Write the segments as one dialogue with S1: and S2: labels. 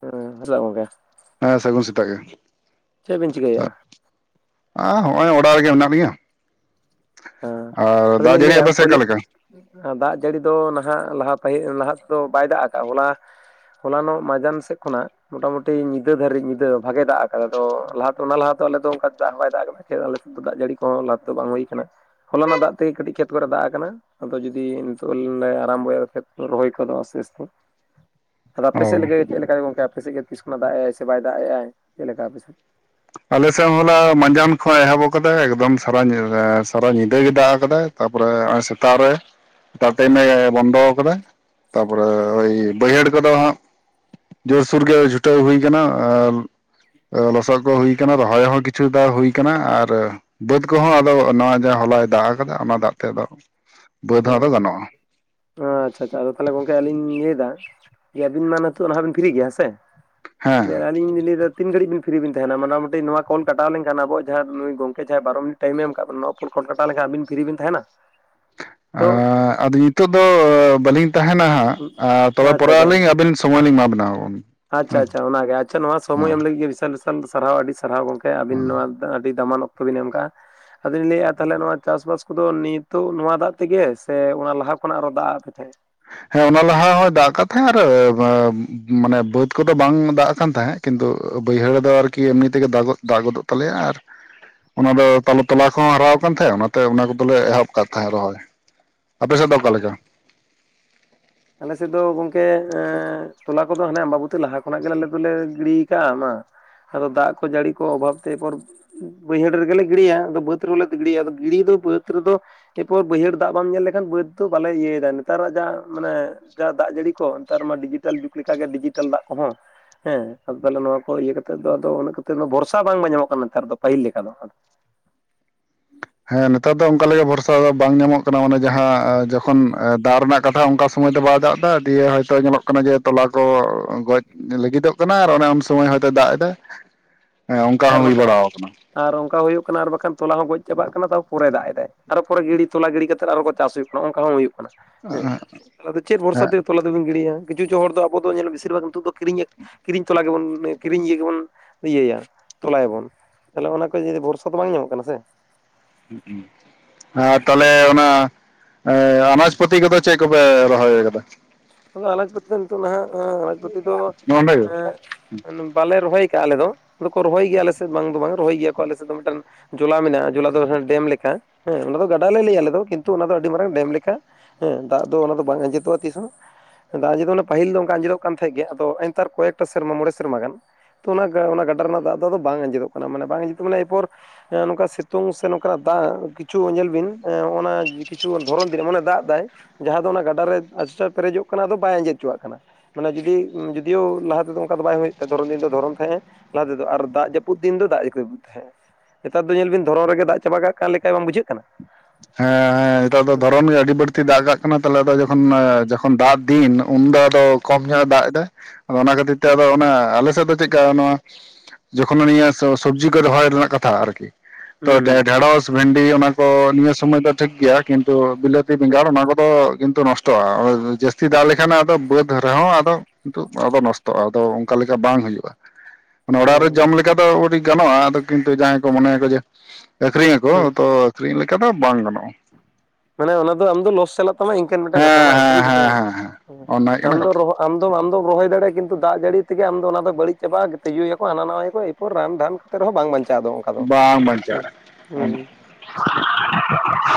S1: ᱦᱮᱸ ᱦᱮᱞᱳ ᱜᱚᱝᱠᱮ
S2: ᱦᱮᱸ ᱥᱟᱹᱜᱩᱱ ᱥᱮᱛᱟᱜ ᱜᱮ
S1: ᱪᱮᱫ ᱵᱤᱱ ᱪᱤᱠᱟᱹᱭᱮᱫᱼᱟ
S2: ᱦᱚᱸᱜᱼᱚᱭ ᱚᱲᱟᱜ ᱨᱮᱜᱮ ᱢᱮᱱᱟᱜ ᱞᱤᱧᱟᱹ
S1: ᱦᱮᱸ
S2: ᱟᱨ ᱫᱟᱜ
S1: ᱟᱫᱚᱞᱤᱧ
S2: ᱡᱟᱹᱲᱤ
S1: ᱞᱟᱹᱭᱟ
S2: ᱟᱯᱮ ᱥᱮᱫ
S1: ᱯᱳᱭᱞᱳ
S2: ᱚᱠᱟ ᱞᱮᱠᱟᱹ
S1: ᱫᱟᱜ ᱡᱟᱹᱲᱤ ᱫᱚ ᱱᱟᱦᱟᱜ ᱞᱟᱦᱟ ᱛᱟᱦᱮᱸ ᱱᱟᱦᱟᱜ ᱛᱮᱫᱚ ᱵᱟᱭ ᱫᱟᱜ ᱟᱠᱟᱜᱼᱟ ᱦᱚᱞᱟᱹ ᱦᱚᱞᱟᱱᱚᱜ ᱢᱟᱡᱟᱱ ᱥᱮᱫ ᱠᱷᱚᱱᱟᱜ ᱢᱚᱴᱟᱢᱩᱴᱤ ᱧᱤᱫᱟᱹ ᱫᱷᱟᱹᱨᱤᱡ ᱧᱤᱫᱟᱹ ᱵᱷᱟᱜᱮ ᱫᱟᱜᱽ ᱟᱠᱟᱫᱟ ᱟᱫᱟ ᱞᱟᱦᱟ ᱚᱱᱟ ᱞᱟᱦᱟ ᱚᱱᱠᱟ ᱫᱟᱜᱽ ᱦᱚᱸ ᱵᱟᱭ ᱫᱟᱜᱽ ᱟᱠᱟᱫᱟ ᱮᱛ ᱟᱞᱮᱥᱮᱫ ᱫᱚ ᱫᱟᱜ ᱡᱟᱹᱲᱤ ᱠᱚᱦᱚᱸ ᱞᱟᱦᱟᱛᱮ ᱵᱟᱝ ᱦᱩᱭᱟᱱᱟ ᱦᱚᱞᱟᱱᱟ ᱫᱟᱜ ᱛᱮᱜᱮᱴᱤᱡ ᱠᱷᱮᱛ ᱠᱚᱨᱮ ᱫᱟᱜ ᱟᱠᱟᱱᱟ ᱟᱫᱚ ᱡᱩᱫᱤ ᱱᱤᱛᱚᱜ ᱟᱨᱟᱢᱵᱚᱭᱟ ᱠᱷᱮᱛ ᱠᱟ ᱨᱚᱦᱚᱭ ᱠᱚ ᱟᱥᱛᱮ ᱟᱥᱛᱮ ᱟᱫᱚ ᱟᱯᱮ
S2: ᱚ
S1: ᱥᱮᱫ ᱞᱮᱠᱟ ᱪᱮᱫ ᱞᱮᱠᱟ ᱜᱚᱝᱠᱮ ᱟᱯᱮ ᱥᱮᱫ ᱜᱮ ᱛᱤᱥ ᱠᱷᱚᱱᱟᱜ ᱫᱟᱜᱽ ᱮᱜᱼᱟᱭ ᱥᱮ ᱵᱟᱭ ᱫᱟᱜᱽ ᱮᱜᱼᱟᱭ ᱪᱮᱫ ᱞᱮᱠᱟ ᱟᱯᱮ ᱥᱮᱫ
S2: ᱟᱞᱮ ᱥᱮᱫ ᱦᱚᱞᱟ ᱢᱟᱸᱡᱟᱱ ᱠᱷᱚᱱ ᱮᱦᱚᱵ ᱟᱠᱟᱫᱟᱭ ᱮᱠᱫᱚᱢ ᱥᱟᱨᱟ ᱮᱸ ᱥᱟᱨᱟ ᱧᱤᱫᱟᱹ ᱜᱮ ᱫᱟᱜᱽ ᱠᱟᱫᱟᱭ ᱛᱟᱯᱚᱨᱮ ᱦᱚᱜ-ᱚᱭ ᱥᱮᱛᱟᱜ ᱨᱮ ᱛᱟᱨ ᱴᱟᱭᱤᱢᱮ ᱵᱚᱱᱫᱚ ᱠᱟᱫᱟᱭ, ᱛᱟᱯᱚᱨᱮ ᱳᱭ ᱵᱟᱹᱭᱦᱟᱹᱲ ᱠᱚᱫᱚ ᱦᱟᱸᱜ ᱡᱳᱨᱥᱳᱨ ᱜᱮ ᱪᱷᱩᱴᱟᱹᱣ ᱦᱩᱭ ᱠᱟᱱᱟ ᱟᱨ ᱞᱚᱥᱚᱫ ᱠᱚ ᱦᱩᱭ [unintelligible] ᱨᱚᱦᱚᱭ ᱦᱚᱸ ᱠᱤᱪᱷᱩ ᱫᱟᱲ ᱦᱩᱭᱩ ᱠᱟᱱᱟ ᱟᱨ ᱵᱟᱹᱫᱽ ᱠᱚᱦᱚᱸ ᱟᱫᱚ ᱱᱚᱚᱭ ᱡᱮ ᱦᱚᱞᱟᱭ ᱫᱟᱜ ᱠᱟᱫᱟ ᱚᱱᱟ ᱫᱟᱜ ᱛᱮ ᱟᱫᱚ ᱵᱟᱹᱫᱽ ᱦᱚᱸ ᱟᱫᱚ
S1: ᱦᱮᱸ
S2: ᱜᱟᱱᱚᱜᱼᱟ
S1: ᱟᱪᱪᱷᱟ ᱟᱪᱪᱷᱟ ᱟᱫᱚ ᱛᱟᱦᱚᱞᱮ ᱜᱚᱝᱠᱮ ᱟᱞᱤᱧ ᱞᱟᱹᱭ ᱫᱟ ᱟᱵᱤᱱ ᱢᱟ ᱱᱤᱛᱚᱜ ᱱᱟᱦᱟᱜ ᱵᱤᱱ ᱯᱷᱤᱨᱤ ᱜᱮᱭᱟ ᱦᱮᱸᱥᱮ
S2: ᱦᱮᱸ
S1: ᱟᱹᱞᱤᱧ ᱞᱤᱧ ᱞᱟᱹᱭ ᱫᱟ ᱛᱤᱱ ᱜᱷᱟᱹᱲᱤᱡ ᱵᱤᱱ ᱯᱷᱤᱨᱤ ᱵᱤᱱ ᱛᱟᱦᱮᱱᱟ ᱢᱚᱴᱟᱢᱩᱴᱤ ᱱᱚᱣᱟ ᱠᱚᱞ ᱠᱟᱴᱟᱣ ᱞᱮᱠᱷᱟᱱ ᱟᱵᱚ ᱡᱟᱦᱟᱸ ᱱᱩᱭ ᱜᱚᱝᱠᱮ ᱡᱟᱦᱟᱸᱭ ᱵᱟᱨᱚ ᱢᱤ ᱴᱟᱭᱤᱢ ᱮᱢ ᱟᱠᱟᱜ ᱵᱚᱱᱟ ᱱᱚᱣᱟ ᱯᱷᱩᱱ ᱠᱚᱞ ᱠᱟᱴᱟᱣ ᱞᱮᱠᱷᱟᱱ ᱟᱵᱤᱱ ᱯᱷᱤᱨᱤ ᱵᱤᱱ ᱛᱟᱦᱮᱱᱟᱹ
S2: ᱮᱸ ᱟᱫᱚ ᱱᱤᱛᱚᱜ ᱫᱚ ᱵᱟᱹᱞᱤᱧ ᱛᱟᱦᱮᱱᱟ ᱦᱟᱸᱜ ᱟᱨ ᱛᱚᱵᱮ
S1: ᱟᱪᱪᱷᱟ
S2: ᱯᱚᱨᱮ ᱟᱹᱞᱤᱧ
S1: ᱟᱪᱪᱷᱟ
S2: ᱟᱹᱵᱤᱱ ᱥᱚᱢᱚᱭ ᱞᱤᱧ ᱮᱢᱟ ᱵᱤᱱᱟ
S1: ᱟᱪᱪᱷᱟ
S2: ᱦᱮᱸ
S1: ᱟᱪᱪᱷᱟ ᱚᱱᱟᱜᱮ ᱟᱪᱪᱷᱟ ᱱᱚᱣᱟ ᱥᱚᱢᱚᱭ
S2: ᱦᱮᱸ
S1: ᱮᱢ ᱞᱟᱹᱜᱤᱫ ᱜᱮ ᱵᱤᱥᱟᱞ ᱵᱤᱥᱟᱞ ᱥᱟᱨᱦᱟᱣ ᱟᱹᱰᱤ ᱥᱟᱨᱦᱟᱣ ᱜᱚᱝᱠᱮ ᱟᱹᱵᱤᱱ
S2: ᱦᱮᱸ
S1: ᱱᱚᱣᱟ ᱟᱹᱰᱤ ᱫᱟᱢᱟᱱ ᱚᱠᱛᱚ ᱵᱤᱱ ᱮᱢ ᱟᱠᱟᱜᱼᱟ ᱟᱫᱚᱧ ᱞᱟᱹᱭᱮᱫᱼᱟ ᱛᱟᱦᱚᱞᱮ ᱱᱚᱣᱟ ᱪᱟᱥᱵᱟᱥ ᱠᱚᱫᱚ ᱱᱤᱛᱚᱜ ᱱᱚᱣᱟ ᱫᱟᱜ ᱛᱮᱜᱮ ᱥᱮ ᱚᱱᱟ ᱞᱟᱦᱟ ᱠᱷᱚᱱᱟᱜ ᱟᱨᱚ ᱫᱟᱜ ᱟᱫ ᱯᱮ ᱛᱟᱦᱮᱸᱫ ᱮ?
S2: ᱦᱮᱸ ᱚᱱᱟ ᱞᱟᱦᱟ ᱦᱚᱭ ᱫᱟᱜ ᱟᱠᱟᱫ ᱛᱟᱦᱮᱸᱜ ᱟᱨ ᱢᱟᱱᱮ ᱵᱟᱹᱫ ᱠᱚᱫᱚ ᱵᱟᱝ ᱫᱟᱜ ᱟᱠᱟᱱ ᱛᱟᱦᱮᱸᱜ ᱠᱤᱱᱛᱩ ᱵᱟᱹᱭᱦᱟᱹᱲ ᱫᱚ ᱟᱨᱠᱤ ᱮᱢᱱᱤ ᱛᱮᱜᱮ ᱫᱟᱜ ᱫᱟᱜᱚᱫᱚᱜ ᱛᱟᱞᱮᱭᱟ ᱟᱨ ᱚᱱᱟ ᱫᱚ ᱛᱟᱞᱚ ᱛᱚᱞᱟ ᱠᱚᱦᱚᱸ ᱦᱟᱨᱟ ᱟᱠᱟᱱ ᱛᱟᱦᱮᱸ ᱚᱱᱟᱛᱮ ᱚᱱᱟ ᱠᱚᱫᱚᱞᱮ ᱮᱦᱚᱵ ᱠᱟᱫ ᱛᱟᱦᱮᱸᱜ ᱨᱚᱦᱚᱭ ᱟᱯᱮ ᱥᱮᱫ ᱫᱚ ᱚᱠᱟ ᱞᱮᱠᱟ
S1: ᱟᱞᱮ ᱥᱮᱫ ᱫᱚ ᱜᱚᱝᱠᱮ ᱮᱸ ᱛᱚᱞᱟ ᱠᱚᱫᱚ ᱦᱟᱱᱮ ᱟᱢᱵᱟᱵᱩᱛᱤ ᱞᱟᱦᱟ ᱠᱷᱚᱱᱟᱜ ᱜᱮ ᱟᱞᱮ ᱫᱚᱞᱮ ᱜᱤᱲᱤ ᱟᱠᱟᱜᱼᱟ ᱢᱟ ᱟᱫᱚ ᱫᱟᱜ ᱠᱚ ᱡᱟᱹᱲᱤ ᱠᱚ ᱚᱵᱷᱟᱵ ᱛᱮ ᱮᱯᱚᱨ ᱵᱟᱹᱭᱦᱟᱹᱲ ᱨᱮᱜᱮᱞᱮ ᱜᱤᱲᱤᱭᱟ ᱟᱫᱚ ᱵᱟᱹᱫᱽ ᱨᱮᱦᱚᱸ ᱞᱮ ᱜᱤᱲᱤᱭᱟ ᱟᱫᱚ ᱜᱤᱲᱤ ᱫᱚ ᱵᱟᱹᱫᱽ ᱨᱮᱫᱚ ᱮᱨᱯᱚᱨ ᱵᱟᱹᱭᱦᱟᱹᱲ ᱫᱟᱜ ᱵᱟᱢ ᱧᱮᱞ ᱞᱮᱠᱷᱟᱱ ᱵᱟᱹᱫᱽ ᱫᱚ ᱵᱟᱞᱮ ᱤᱭᱟᱹᱭ ᱫᱟ ᱱᱮᱛᱟᱨᱟᱜ ᱡᱟ ᱢᱟᱱᱮ ᱡᱟ ᱫᱟᱜ ᱡᱟᱹᱲᱤ ᱠᱚ ᱱᱮᱛᱟᱨ ᱢᱟ ᱰᱤᱡᱤᱴᱟᱞ ᱡᱩᱜᱽ ᱞᱮᱠᱟᱜᱮ ᱰᱤᱡᱤᱴᱮᱞ ᱫᱟᱜ ᱠᱚᱦᱚᱸ ᱦᱮᱸ ᱟᱫᱚ ᱛᱟᱦᱞᱮ ᱱᱚᱣᱟ ᱠᱚ ᱤᱭᱟᱹ ᱠᱟᱛᱮ ᱫᱚ ᱩᱱᱟᱹᱜ ᱠᱟᱛᱮ ᱫᱚ ᱵᱷᱚᱨᱥᱟ ᱵᱟᱝ ᱧᱟᱢᱚᱜ ᱠᱟᱱᱟ ᱱᱮᱛᱟᱨ ᱫᱚ ᱯᱟᱹᱦᱤᱞ ᱞᱮᱠᱟ ᱫᱚ
S2: ᱦᱮᱸ ᱱᱮᱛᱟᱨ ᱫᱚ ᱚᱱᱠᱟ ᱞᱮᱠᱟ ᱵᱷᱚᱨᱥᱟ ᱫᱚ ᱵᱟᱝ ᱧᱟᱢᱚᱜ ᱠᱟᱱᱟ ᱢᱟᱱᱮ ᱡᱟᱦᱟᱸ ᱡᱚᱠᱷᱚᱱ ᱮᱸ ᱫᱟᱜ ᱨᱮᱱᱟᱜ ᱠᱟᱛᱷᱟ ᱚᱱᱠᱟ ᱥᱚᱢᱚᱭ ᱛᱮ ᱵᱟᱭ ᱫᱟᱜ ᱮᱫᱟ ᱫᱤᱭᱮ ᱦᱚᱭᱛᱚ ᱧᱮᱞᱚᱜ ᱠᱟᱱᱟ ᱡᱮ ᱛᱚᱞᱟ ᱠᱚ ᱜᱚᱡ ᱞᱟᱹᱜᱤᱫᱚᱜ ᱠᱟᱱᱟ ᱟᱨ ᱚᱱᱮ ᱩᱱ ᱥᱚᱢᱚᱭ ᱦᱚᱭᱛᱳᱭ ᱫᱟᱜ ᱮᱫᱟ
S1: [unintelligible]
S2: ᱦᱮᱸ ᱚᱝᱠᱟ ᱦᱚᱸ
S1: ᱟᱨ
S2: ᱦᱩᱭ
S1: ᱵᱟᱠᱷᱟᱡ
S2: ᱵᱟᱲᱟᱣ ᱟᱠᱟᱱᱟ
S1: ᱟᱨ ᱚᱝᱠᱟ ᱦᱩᱭᱩᱜ ᱠᱟᱱᱟ ᱟᱨ ᱵᱟᱠᱷᱟᱱ ᱛᱚᱞᱟ ᱦᱚᱸ ᱜᱚᱡ ᱪᱟᱵᱟᱜ ᱠᱟᱱᱟ ᱛᱟᱨ ᱯᱚᱨᱮ ᱫᱟᱜ ᱮᱫᱟᱭ, ᱟᱨᱚ ᱯᱚᱨᱮ ᱜᱤᱲᱤ ᱛᱚᱞᱟ ᱜᱤᱲᱤ ᱠᱟᱛᱮ ᱟᱨᱚᱸ ᱠᱚ ᱪᱟᱥ ᱦᱩᱭᱩᱜ ᱠᱟ ᱦᱚᱸᱜ-ᱚᱝᱠᱟ ᱦᱚᱸ ᱦᱩᱭᱩᱜ ᱠᱟᱱᱟ ᱦᱮᱸ ᱛᱟᱦᱞᱮ ᱟᱫᱚ ᱪᱮᱫ ᱵᱷᱚᱨᱥᱟ
S2: ᱦᱮᱸ
S1: ᱛᱮ ᱛᱚᱞᱟ ᱫᱚᱵᱤᱱ ᱜᱤᱲᱤᱭᱟ, ᱠᱤᱪᱷᱩ ᱠᱤᱪᱷᱩ ᱦᱚᱲ ᱫᱚ ᱟᱵᱚ ᱫᱚ ᱧᱮᱞ ᱵᱤᱥᱤᱨ ᱵᱷᱟᱜ ᱱᱤᱛᱚᱜ ᱫᱚ ᱠᱤᱨᱤᱧ‌ ᱟᱠ ᱠᱤᱨᱤᱧ ᱛᱚᱞᱟ ᱜᱮᱵᱚᱱ ᱢᱟᱱᱮ ᱠᱤᱨᱤᱧ ᱤᱭᱟᱹ ᱜᱮᱵᱚᱱ ᱤᱭᱟᱹᱭᱟ ᱛᱚᱞᱟᱭᱟᱵᱚᱱ, ᱛᱟᱦᱞᱦᱮ ᱚᱱᱟ ᱠᱚ ᱡᱤ ᱵᱷᱚᱨᱥᱟ ᱫᱚ ᱵᱟᱝ ᱧᱟᱢᱚᱜ ᱠᱟᱱᱟ ᱥᱮ
S2: ᱦᱩᱸᱜ-ᱩᱸ ᱟᱨ ᱛᱟᱦᱞᱮ ᱚᱱᱟ ᱟᱱᱟᱡ ᱯᱟᱹᱛᱤ ᱠᱚᱫᱚ ᱪᱮᱫ ᱠᱚᱯᱮ ᱨᱚᱦᱚᱭ ᱠᱟᱫᱟ
S1: ᱟᱫᱚ ᱟᱞᱮ ᱠᱚᱨᱮ ᱫᱚ ᱱᱤᱛᱚᱜ ᱱᱟᱦᱟᱜ ᱟᱱᱟᱡ ᱯᱟᱹᱛᱤ ᱫᱚ
S2: ᱱᱚᱰᱮ ᱜᱮ
S1: ᱮᱸᱜ ᱢᱟᱱᱮ ᱵᱟᱞᱮ ᱨᱚᱦᱚᱭ ᱟᱠᱟᱜᱼᱟ ᱟᱞᱮ ᱫᱚ, ᱟᱫᱚ ᱠᱚ ᱨᱚᱦᱚᱭ ᱜᱮᱭᱟ ᱟᱞᱮ ᱥᱮᱫ ᱵᱟᱝ ᱫᱚ ᱵᱟᱝ ᱨᱚᱦᱚᱭ ᱜᱮᱭᱟᱠᱚ ᱟᱞᱮ ᱥᱮᱫ ᱫᱚ ᱢᱤᱫᱴᱟᱱ ᱡᱚᱞᱟ ᱢᱮᱱᱟᱜᱼᱟ ᱡᱚᱞᱟ ᱫᱚ ᱦᱮᱸ ᱰᱮᱢ ᱞᱮᱠᱟ ᱦᱮᱸ, ᱚᱱᱟ ᱫᱚ ᱜᱟᱰᱟ ᱞᱮ ᱞᱟᱹᱭᱟ ᱟᱞᱮ ᱫᱚ ᱠᱤᱱᱛᱩ ᱚᱱᱟ ᱫᱚ ᱟᱹᱰᱤ ᱢᱟᱨᱟᱝ ᱰᱮᱢ ᱞᱮᱠᱟ ᱦᱮᱸ ᱫᱟᱜ ᱫᱚ ᱚᱱᱟ ᱫᱚ ᱵᱟᱝ ᱟᱸᱡᱮᱫᱚᱜᱼᱟ ᱛᱤᱥ ᱦᱚᱸ ᱫᱟᱜ ᱟᱸᱡᱮᱫ ᱫᱚ ᱢᱟᱱᱮ ᱯᱟᱹᱤᱞ ᱫᱚ ᱚᱱᱠᱟ ᱟᱸᱡᱮᱫᱚᱜ ᱠᱟᱱ ᱛᱟᱦᱮᱸᱜ ᱜᱮ ᱟᱫᱚ ᱱᱮᱜ-ᱮᱱᱛᱟᱨ ᱠᱚᱭᱮᱠᱴᱟ ᱥᱮᱨᱢᱟ ᱢᱚᱬᱮ ᱥᱮᱨᱢᱟ ᱜᱟᱱ ᱛᱚ ᱚᱱᱟ ᱚᱱᱟ ᱜᱟᱰᱟ ᱨᱮᱱᱟᱜ ᱫᱟᱜ ᱫᱚ ᱟᱫᱚ ᱵᱟᱝ ᱟᱸᱡᱮᱫᱚᱜ ᱠᱟᱱᱟ ᱢᱟᱱᱮ ᱵᱟᱝ ᱟᱸᱡᱮᱫᱚᱜ ᱢᱟᱱᱮ ᱮᱯᱚᱨ ᱦᱮᱸ ᱱᱚᱝᱠᱟ ᱥᱤᱛᱩᱝ ᱥᱮ ᱱᱚᱝᱠᱟᱱᱟᱜ ᱫᱟᱜ ᱠᱤᱪᱷᱩ ᱧᱮᱞ ᱵᱤᱱ ᱦᱮᱸ ᱱᱚᱜ-ᱚᱱᱟ ᱠᱤᱪᱷᱩ ᱫᱷᱚᱨᱚᱱ ᱫᱤᱱ ᱮᱢᱚᱱᱮ ᱫᱟᱜ ᱫᱟᱭ ᱡᱟᱦᱟᱸ ᱫᱚ ᱚᱱᱟ ᱜᱟᱰᱟᱨ ᱨᱮ ᱟᱹᱰᱤ ᱪᱟᱬ ᱯᱮᱨᱮᱡᱚᱜ ᱠᱟᱱᱟ ᱟᱫᱚ ᱵᱟᱭ ᱟᱸᱡᱮᱫ ᱦᱚᱪᱚᱣᱟᱜ ᱠᱟᱱᱟ ᱢᱟᱱᱮ ᱡᱩᱫᱤ ᱡᱩᱫᱤᱭᱳᱣ ᱞᱟᱦᱟ ᱛᱮᱫᱚ ᱚᱝᱠᱟ ᱫᱚ ᱵᱟᱝ ᱦᱩᱭᱩᱜ ᱛᱟᱦᱮᱸᱫ ᱫᱷᱚᱨᱚᱱ ᱫᱤᱱ ᱫᱚ ᱫᱷᱚᱨᱚᱱ ᱛᱟᱦᱮᱸᱫ ᱮ ᱞᱟᱦᱟ ᱛᱮᱫᱚ ᱟᱨ ᱫᱟᱜ ᱡᱟᱹᱯᱩᱫ ᱫᱤᱱ ᱫᱚ ᱫᱟᱜ ᱡᱟᱹᱯᱩᱫ ᱛᱟᱦᱮᱸᱫ ᱮ ᱱᱮᱛᱟᱨ ᱫᱚ ᱧᱮᱞ ᱵᱤᱱ ᱫᱷᱚᱨᱚᱱ ᱨᱮᱜᱮ ᱫᱟᱜ ᱪᱟᱵᱟ ᱠᱟᱜ ᱠᱟᱱ ᱞᱮᱠᱟᱭ ᱵᱟᱝ ᱵᱩᱡᱷᱟᱹᱜ ᱠᱟᱱᱟ
S2: ᱦᱮᱸ ᱦᱮᱸ ᱱᱮᱛᱟᱨ ᱫᱚ
S1: ᱦᱩᱸ
S2: ᱫᱷᱚᱨᱚᱱ ᱜᱮ ᱟᱹᱰᱤ ᱵᱟᱹᱲᱛᱤ ᱫᱟᱜ ᱠᱟᱜ ᱠᱱᱟᱟ ᱠᱟᱱᱟ ᱛᱟᱦᱞᱮ ᱟᱫᱚ ᱡᱚᱠᱷᱚᱱ ᱡᱚᱠᱷᱚᱱ ᱫᱟᱜ ᱫᱤᱱ ᱩᱱᱫᱚ ᱟᱫᱚ ᱠᱚᱢ ᱧᱚᱜᱼᱮ ᱫᱟᱜ ᱛᱮ ᱟᱫᱚ ᱚᱱᱟ ᱠᱷᱟᱹᱛᱤᱨ ᱛᱮ ᱟᱫᱚ ᱚᱱᱟ ᱟᱞᱮ ᱥᱮᱫ ᱫᱚ ᱪᱮᱫᱠᱟ ᱱᱚᱣᱟ ᱡᱚᱠᱷᱚᱱ ᱩᱱᱤᱭᱟᱜ ᱥᱚ ᱥᱚᱵᱡᱤ ᱠᱚ ᱨᱚᱦᱚᱭ ᱨᱮᱱᱟᱜ ᱠᱟᱛᱷᱟ ᱟᱨᱠᱤ ᱛᱚ
S1: ᱦᱩᱸ
S2: ᱰᱷᱮ ᱰᱷᱮᱬᱚᱥ ᱵᱷᱮᱱᱰᱤ ᱚᱱᱟ ᱠᱚ ᱱᱤᱭᱟᱹ ᱥᱩᱚᱢᱚᱭ ᱫᱚ ᱴᱷᱤᱠ ᱜᱮᱭᱟ ᱠᱤᱱᱛᱩ ᱵᱤᱞᱟᱹᱛᱤ
S1: ᱦᱩᱸ ᱦᱩᱸ
S2: ᱵᱮᱸᱜᱟᱲ ᱚᱱᱟ ᱠᱚᱫᱚ ᱠᱤᱱᱛᱩ ᱱᱚᱥᱴ ᱴᱚᱜᱼᱟ ᱡᱟᱹᱥᱛᱤ ᱫᱟᱜ ᱞᱮᱠᱷᱟᱱ ᱟᱫᱚ ᱵᱟᱹᱫ ᱨᱮᱦᱚᱸ ᱟᱫᱚ ᱠᱤᱱᱛᱩ ᱱᱚᱣᱟ ᱫᱚ ᱱᱚᱥᱴᱚᱜᱼᱟ ᱟᱫᱚ ᱚᱝᱠᱟ ᱞᱮᱠᱟ ᱵᱟᱝ ᱦᱩᱭᱩᱜᱼᱟ ᱢᱟᱱᱮ ᱚᱲᱟᱜ ᱨᱮ
S1: ᱦᱳᱭ
S2: ᱡᱚᱢ ᱞᱮᱠᱟ ᱫᱚ ᱟᱹᱰᱤ ᱜᱟᱱᱚᱜᱼᱟ ᱟᱫᱚ ᱠᱤᱱᱛᱩ ᱡᱟᱦᱟᱸᱭ ᱠᱚ ᱢᱚᱱᱮᱭᱟ ᱠᱚ ᱡᱮ ᱟᱹᱠᱷᱨᱤᱧᱟᱠᱚ
S1: ᱦᱩᱸ
S2: ᱛᱚ ᱟᱹᱠᱷᱨᱤᱧ ᱞᱮᱠᱟ ᱫᱚ ᱵᱟᱝ ᱜᱟᱱᱚᱜᱼᱟ
S1: ᱢᱟᱱᱮ ᱚᱱᱟ ᱫᱚ ᱟᱢ ᱫᱚ ᱞᱚᱥ ᱪᱟᱞᱟᱜ ᱛᱟᱢᱟ ᱤᱝᱠᱟᱹᱱ ᱢᱤᱫᱴᱟᱝ ᱠᱟᱛᱷᱟ
S2: ᱦᱮᱸ
S1: ᱵᱟᱝ
S2: ᱦᱮᱸ ᱦᱮᱸ ᱦᱮᱸ ᱦᱮᱸ ᱚᱱᱟ
S1: [unintelligible]
S2: ᱦᱩᱭᱩᱜ ᱠᱟᱱᱟ
S1: ᱟᱢ ᱫᱚ
S2: ᱠᱟᱛᱷᱟ
S1: ᱨᱚᱦᱚ ᱟᱢ ᱫᱚ ᱟᱢ ᱫᱚᱢ ᱨᱚᱦᱚᱭ ᱫᱟᱲᱮᱭᱟᱜᱼᱟ ᱠᱤᱱᱛᱩ ᱫᱟᱜ ᱡᱟᱹᱲᱤ ᱛᱮᱜᱮ ᱟᱢ ᱫᱚ ᱚᱱᱟ ᱫᱚ ᱵᱟᱹᱲᱤᱡ ᱪᱟᱵᱟᱜᱼᱟ ᱛᱤᱡᱩ ᱭᱟᱠᱚ ᱦᱟᱱᱟ ᱱᱟᱣᱟ ᱭᱟᱠᱚ ᱨᱟᱱ ᱫᱷᱟᱱ ᱠᱚᱛᱮ ᱨᱮᱦᱚᱸ ᱵᱟᱝ ᱵᱟᱧᱪᱟᱣ ᱫᱚ ᱱᱚᱝᱠᱟ
S2: ᱵᱟᱝ ᱵᱟᱧᱪᱟᱜ-ᱟ, ᱚᱱ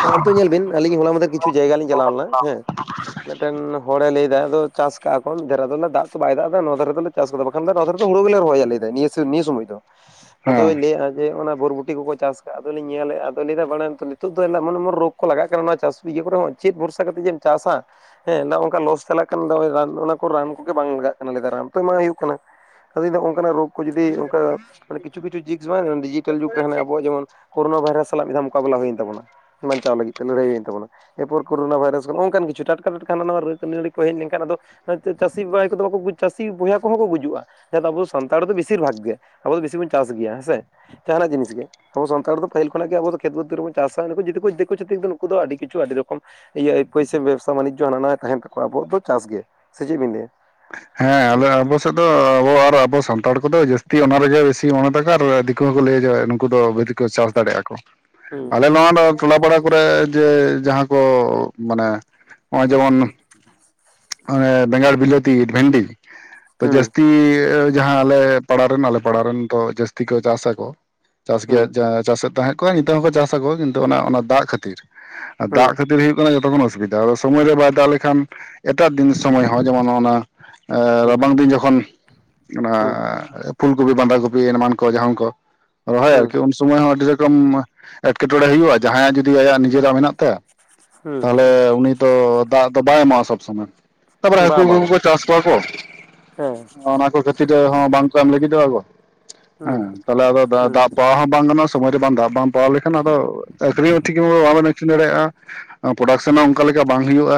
S1: ᱦᱮᱸ ᱚᱱᱛᱮ ᱧᱮᱞ ᱵᱤᱱ ᱟᱧ ᱦᱚᱞᱟ ᱢᱟᱫᱷᱮᱨ ᱠᱤᱪᱷᱩ ᱡᱟᱭᱜᱟ ᱞᱤᱧ ᱪᱞᱟᱣ ᱞᱮᱱᱟ ᱦᱮᱸ ᱢᱤᱫᱴᱮᱱ ᱦᱚᱲᱮ ᱞᱟᱹᱭ ᱮᱫᱟ ᱟᱫᱚ ᱪᱟᱥ ᱠᱟᱜᱼᱟ ᱠᱚ ᱢᱤᱫ ᱫᱷᱟᱨᱮ ᱫᱚᱮ ᱫᱟᱜ ᱫᱚ ᱵᱟᱭ ᱫᱟᱜ ᱮᱫᱟ ᱱᱚᱣᱟ ᱫᱷᱟᱨᱮ ᱫᱚ ᱞᱮ ᱪᱟᱥ ᱠᱟᱫᱟ ᱵᱟᱠᱷᱟᱱ ᱦᱩᱲᱩ ᱜᱮᱞᱮ ᱨᱚᱦᱚᱭ-ᱟ ᱱᱤᱭᱟᱹ‌ᱥᱤ ᱱᱤᱭᱟᱹ ᱥᱚᱢᱚᱭ ᱫᱚ ᱟᱫᱚᱭ ᱞᱟᱹᱭᱮᱜᱼᱟ ᱡᱮ ᱚᱱᱟ ᱵᱚᱨᱵᱩᱴᱤ ᱠᱚᱠᱚ ᱪᱟᱥ ᱠᱫᱼᱟ ᱟᱫᱚ ᱞᱤᱧ ᱧᱮᱞᱮᱫᱼᱟ ᱟᱫᱚᱭ ᱞᱟᱹᱭ ᱮᱫᱟ ᱵᱟᱲᱟᱭ ᱟᱢ ᱛᱚ ᱱᱤᱛᱚᱜ ᱫᱚ ᱟᱫᱚ ᱮᱢᱚᱱ ᱮᱢᱚᱱ ᱨᱳᱜᱽ ᱠᱚ ᱞᱟᱜ ᱠᱟᱱᱟ ᱱᱚᱣᱟ ᱪᱟᱥ ᱤᱭᱟᱹ ᱠᱚᱨᱮ ᱦᱚᱸ ᱪᱮᱫ ᱵᱷᱚᱨᱥᱟ ᱠᱟᱛᱮᱫ ᱡᱮᱢ ᱪᱟᱥᱟ ᱦᱮᱸ ᱱᱚᱣᱟ ᱚᱱᱠᱟ ᱞᱚᱥ ᱪᱟᱞᱟᱜ ᱠᱟᱱᱟ ᱚᱱᱟ ᱠᱚ ᱨᱟᱱ ᱠᱚᱜᱮ ᱵᱟᱝ ᱞᱟᱜᱟᱜ ᱠᱟᱱᱟ ᱞᱮᱫᱟᱭ ᱨᱟᱱ ᱛᱚ ᱮᱢ ᱦᱩᱭᱩᱜ ᱠᱟᱱᱟ ᱟᱵᱤᱱ ᱫᱚ ᱚᱱᱠᱟᱱᱟ ᱨᱩᱯ ᱠᱚ ᱡᱩᱫᱤ ᱚᱱᱠᱟ ᱢᱟᱱᱮ ᱠᱤᱪᱷᱩ ᱠᱤᱪᱷᱩ ᱡᱤᱣ ᱰᱤᱡᱤᱴᱮᱞ ᱡᱩᱜ ᱨᱮ ᱦᱟᱱᱮ ᱟᱵᱚ ᱡᱮᱢᱚᱱ ᱠᱳᱨᱳᱱᱟ ᱵᱷᱟᱭᱨᱥ ᱥᱟᱞᱟᱜ ᱢᱤᱫ ᱫᱷᱣ ᱢᱚᱠᱟᱵᱞᱟ ᱦᱩᱭᱮᱱ ᱛᱟᱵᱚᱱᱟ ᱾ ᱵᱟᱧᱪᱟᱣ ᱞᱟᱹᱜᱤᱫ ᱛᱮ ᱞᱟᱹᱨᱦᱟᱹᱭ ᱦᱩᱭᱮᱱ ᱛᱟᱵᱚᱱᱟ ᱮᱨ ᱯᱚᱨ ᱠᱚᱨᱳᱱᱟ ᱵᱷᱟᱭᱨᱟᱥ ᱱᱚᱝᱠᱟᱱ ᱠᱤᱪᱩ ᱴᱟᱴᱠᱟ ᱴᱟᱴᱠᱟ ᱦᱟᱱᱟ ᱱᱚᱣᱟ ᱨᱳᱜᱽ ᱟᱹᱱᱟᱹᱲᱤ ᱠᱚ ᱦᱮᱡ ᱞᱮᱠᱷᱟᱱ ᱟᱫᱚ ᱪᱟᱹᱥᱤ ᱵᱷᱟᱭ ᱠᱚ ᱫᱚ ᱵᱟᱠᱚ ᱪᱟᱹᱥᱤ ᱵᱚᱭᱦᱟ ᱠᱚᱦᱚᱸ ᱠᱚ ᱜᱩᱡᱩᱜᱼᱟ ᱾ ᱦᱮ ᱟᱵᱚ ᱥᱟᱱᱛᱟᱲ ᱫᱚ ᱵᱮᱥᱤᱨ ᱵᱷᱟᱜᱽ ᱜᱮ ᱟᱵᱚ ᱫᱚ ᱵᱮᱥᱤ ᱵᱚᱱ ᱪᱟᱥ ᱜᱮᱭᱟ ᱦᱮᱸ ᱥᱮ ᱡᱟᱦᱟᱱᱟᱜ ᱡᱤᱱᱤᱥ ᱜᱮ ᱟᱵᱚ ᱥᱟᱱᱛᱟᱲ ᱫᱚ ᱯᱟᱹᱤᱞ ᱠᱷᱱᱟᱜ ᱜᱮ ᱟᱵᱚ ᱫᱚ ᱠᱷᱮᱛ ᱵᱟᱹᱫ ᱨᱮᱵᱚᱱ ᱪᱟᱥᱟ ᱫᱤᱠᱩ ᱪᱷᱟᱛᱤᱠ ᱫᱚ ᱱᱩᱠᱩ ᱫᱚ ᱟᱹᱰᱤ ᱠᱤᱪᱷ ᱟᱹᱰᱤ ᱨᱚᱠᱚᱢ ᱤᱭᱟᱹ ᱮᱠᱳᱭᱥᱤ ᱵᱮᱵᱽᱥᱟ ᱵᱟᱱᱤᱡᱚ ᱦᱟᱱᱟ ᱱᱟᱣᱟ ᱛᱟᱦᱮᱱ ᱛᱟᱠᱚᱣᱟ ᱟᱵᱚᱣᱟᱜ ᱫᱚ ᱪᱟᱥ ᱜᱮ ᱥᱮ ᱪᱮᱫ ᱵᱤᱱ ᱞᱟᱹᱭ -ᱟ ᱾
S2: ᱦᱮᱸ ᱟᱞᱮ ᱟᱵᱚ ᱥᱮᱫ ᱫᱚ ᱟᱵᱚ ᱟᱨ ᱟᱵᱚ ᱥᱟᱱᱛᱟᱲ ᱠᱚ ᱫᱚ ᱡᱟᱹᱥᱛᱤ ᱚᱱᱟ ᱨᱮᱜᱮ ᱵᱮᱥᱤ ᱢᱚᱱᱮ ᱛᱟᱠᱚ ᱟᱨ ᱫᱤᱠᱩ ᱦᱚᱸ ᱠᱚ ᱞᱟᱹᱭ ᱡᱮ ᱱᱩᱠᱩ ᱫᱚ ᱵᱷᱮᱥᱤ ᱠᱚ ᱪᱟᱥ ᱫᱟᱲᱮᱭᱟᱜᱼᱟ ᱠᱚ
S1: ᱦᱩᱸ
S2: ᱟᱞᱮ ᱱᱚᱣᱟ ᱴᱚᱞᱟ ᱯᱟᱲᱟ ᱠᱚᱨᱮ ᱡᱮ ᱡᱟᱦᱟᱸ ᱠᱚ ᱢᱟᱱᱮ ᱱᱚᱜᱼᱚᱭ ᱡᱮᱢᱚᱱ
S1: ᱦᱩ [unintelligible]
S2: ᱵᱮᱜᱟᱲ ᱵᱤᱞᱟᱹᱛᱤ ᱵᱷᱮᱱᱰᱤ ᱛ
S1: ᱦᱩᱸ
S2: ᱡᱟᱹᱥᱛᱤ ᱡᱟᱦᱟᱸ ᱟᱞᱮ ᱯᱟᱲᱟᱮᱱ ᱟᱞᱮ ᱯᱟᱲᱟ ᱨᱮᱱ ᱫᱚ ᱡᱟᱹᱥᱛᱤ ᱠᱚ ᱪᱟᱥ ᱟᱠᱚ ᱪᱟᱥ
S1: ᱦᱩᱸ
S2: ᱜᱮᱭᱟ ᱪᱟᱥᱮᱫ ᱛᱟᱦᱮᱸᱫ ᱱᱤᱛᱚᱜ ᱦᱚᱸᱠᱚ ᱪᱟᱥ ᱟᱠᱚ ᱠᱤᱱᱛᱩ ᱚᱱᱟ ᱫᱟᱜ ᱠᱷᱟᱹᱛᱤᱨ
S1: ᱦᱩᱸ
S2: ᱫᱟᱜ ᱠᱷᱟᱹᱛᱤᱨ ᱦᱩᱭᱩᱜ ᱠᱟᱱᱟ ᱡᱚᱛᱚ ᱠᱷᱚᱱ ᱚᱥᱩᱵᱤᱫᱷᱟ ᱥᱚᱢᱚᱭ ᱨᱮ ᱵᱟᱭ ᱫᱟᱣ ᱞᱮᱠᱷᱟᱱ ᱮᱴᱟᱜ ᱫᱤᱱ ᱥᱚᱢᱚᱭ ᱦᱚᱸ ᱡᱮᱢᱚᱱ ᱚᱱᱟ
S1: ᱦᱩᱸ
S2: ᱨᱟᱵᱟᱝ ᱫᱤᱱ ᱡᱚᱠᱷᱚᱱ ᱚᱱᱟ
S1: ᱦᱩᱸ
S2: ᱯᱷᱩᱞ ᱠᱚᱯᱤ ᱵᱟᱸᱫᱷᱟ ᱠᱚᱯᱤ ᱮᱢᱟᱱ ᱠᱚ ᱡᱟᱦᱟᱱ ᱠᱚ ᱨᱚᱦᱚᱭ
S1: ᱦᱩᱸ
S2: ᱟᱨᱠᱤ ᱩᱱ ᱥᱚᱢᱚᱭ ᱦᱚᱸ ᱟᱹᱰᱤ ᱨᱚᱠᱚᱢ ᱮᱴᱠᱮᱴᱚᱬᱮ ᱦᱩᱭᱩᱜᱼᱟ ᱡᱟᱦᱟᱸᱭᱟᱜ ᱡᱩᱫᱤ ᱟᱭᱟᱜ ᱱᱤᱡᱮᱨᱟᱜ ᱢᱮᱱᱟᱜ ᱛᱟᱭᱟ ᱛᱟᱦᱚᱞᱮ ᱩᱱᱤ ᱫᱚ ᱫᱟᱜ ᱫᱚ ᱵᱟᱭ ᱮᱢᱟᱜᱼᱟ ᱥᱚᱵ ᱥᱚᱢᱚᱭ ᱛᱟᱯᱚᱨᱮ
S1: ᱦᱩᱸ
S2: ᱦᱟᱹᱠᱩ
S1: ᱵᱟᱝ ᱵᱟᱝ
S2: ᱢᱟᱠᱩ ᱠᱚ
S1: ᱵᱟᱝ
S2: ᱪᱟᱥ ᱠᱚᱣᱟ ᱠᱚ
S1: ᱦᱮᱸ
S2: ᱚᱱᱟ ᱠᱚ ᱠᱟᱴᱤᱡ [inaudible] ᱦᱚᱸ ᱵᱟᱝᱠᱚ ᱮᱢ ᱞᱟᱹᱜᱤᱫᱚᱜᱼᱟ
S1: ᱦᱩᱸ
S2: ᱦᱮᱸ ᱛᱟᱦᱚᱞᱮ ᱟᱫᱚ
S1: ᱦᱩᱸ
S2: ᱫᱟᱜ ᱯᱚᱦᱟ ᱦᱚᱸ ᱵᱟᱝ ᱜᱟᱱᱚᱜᱼᱟ ᱥᱚᱢᱚᱭ ᱨᱮ ᱵᱟᱝ ᱫᱟᱜ ᱵᱟᱢ ᱯᱟᱲᱟᱣ ᱞᱮᱠᱷᱟᱱ ᱟᱫᱚ ᱟᱹᱠᱷᱨᱤᱧ ᱦᱚᱸ ᱴᱷᱤᱠ ᱢᱚᱛᱚ ᱵᱟᱵᱮᱱ ᱟᱹᱠᱷᱨᱤᱧ ᱫᱟᱲᱮᱭᱟᱜᱼᱟ ᱾ ᱯᱨᱚᱰᱟᱠᱥᱚᱱ
S1: ᱦᱩᱸ
S2: ᱦᱚᱸ ᱚᱱᱠᱟ ᱞᱮᱠᱟ ᱵᱟᱝ ᱦᱩᱭᱩᱜᱼᱟ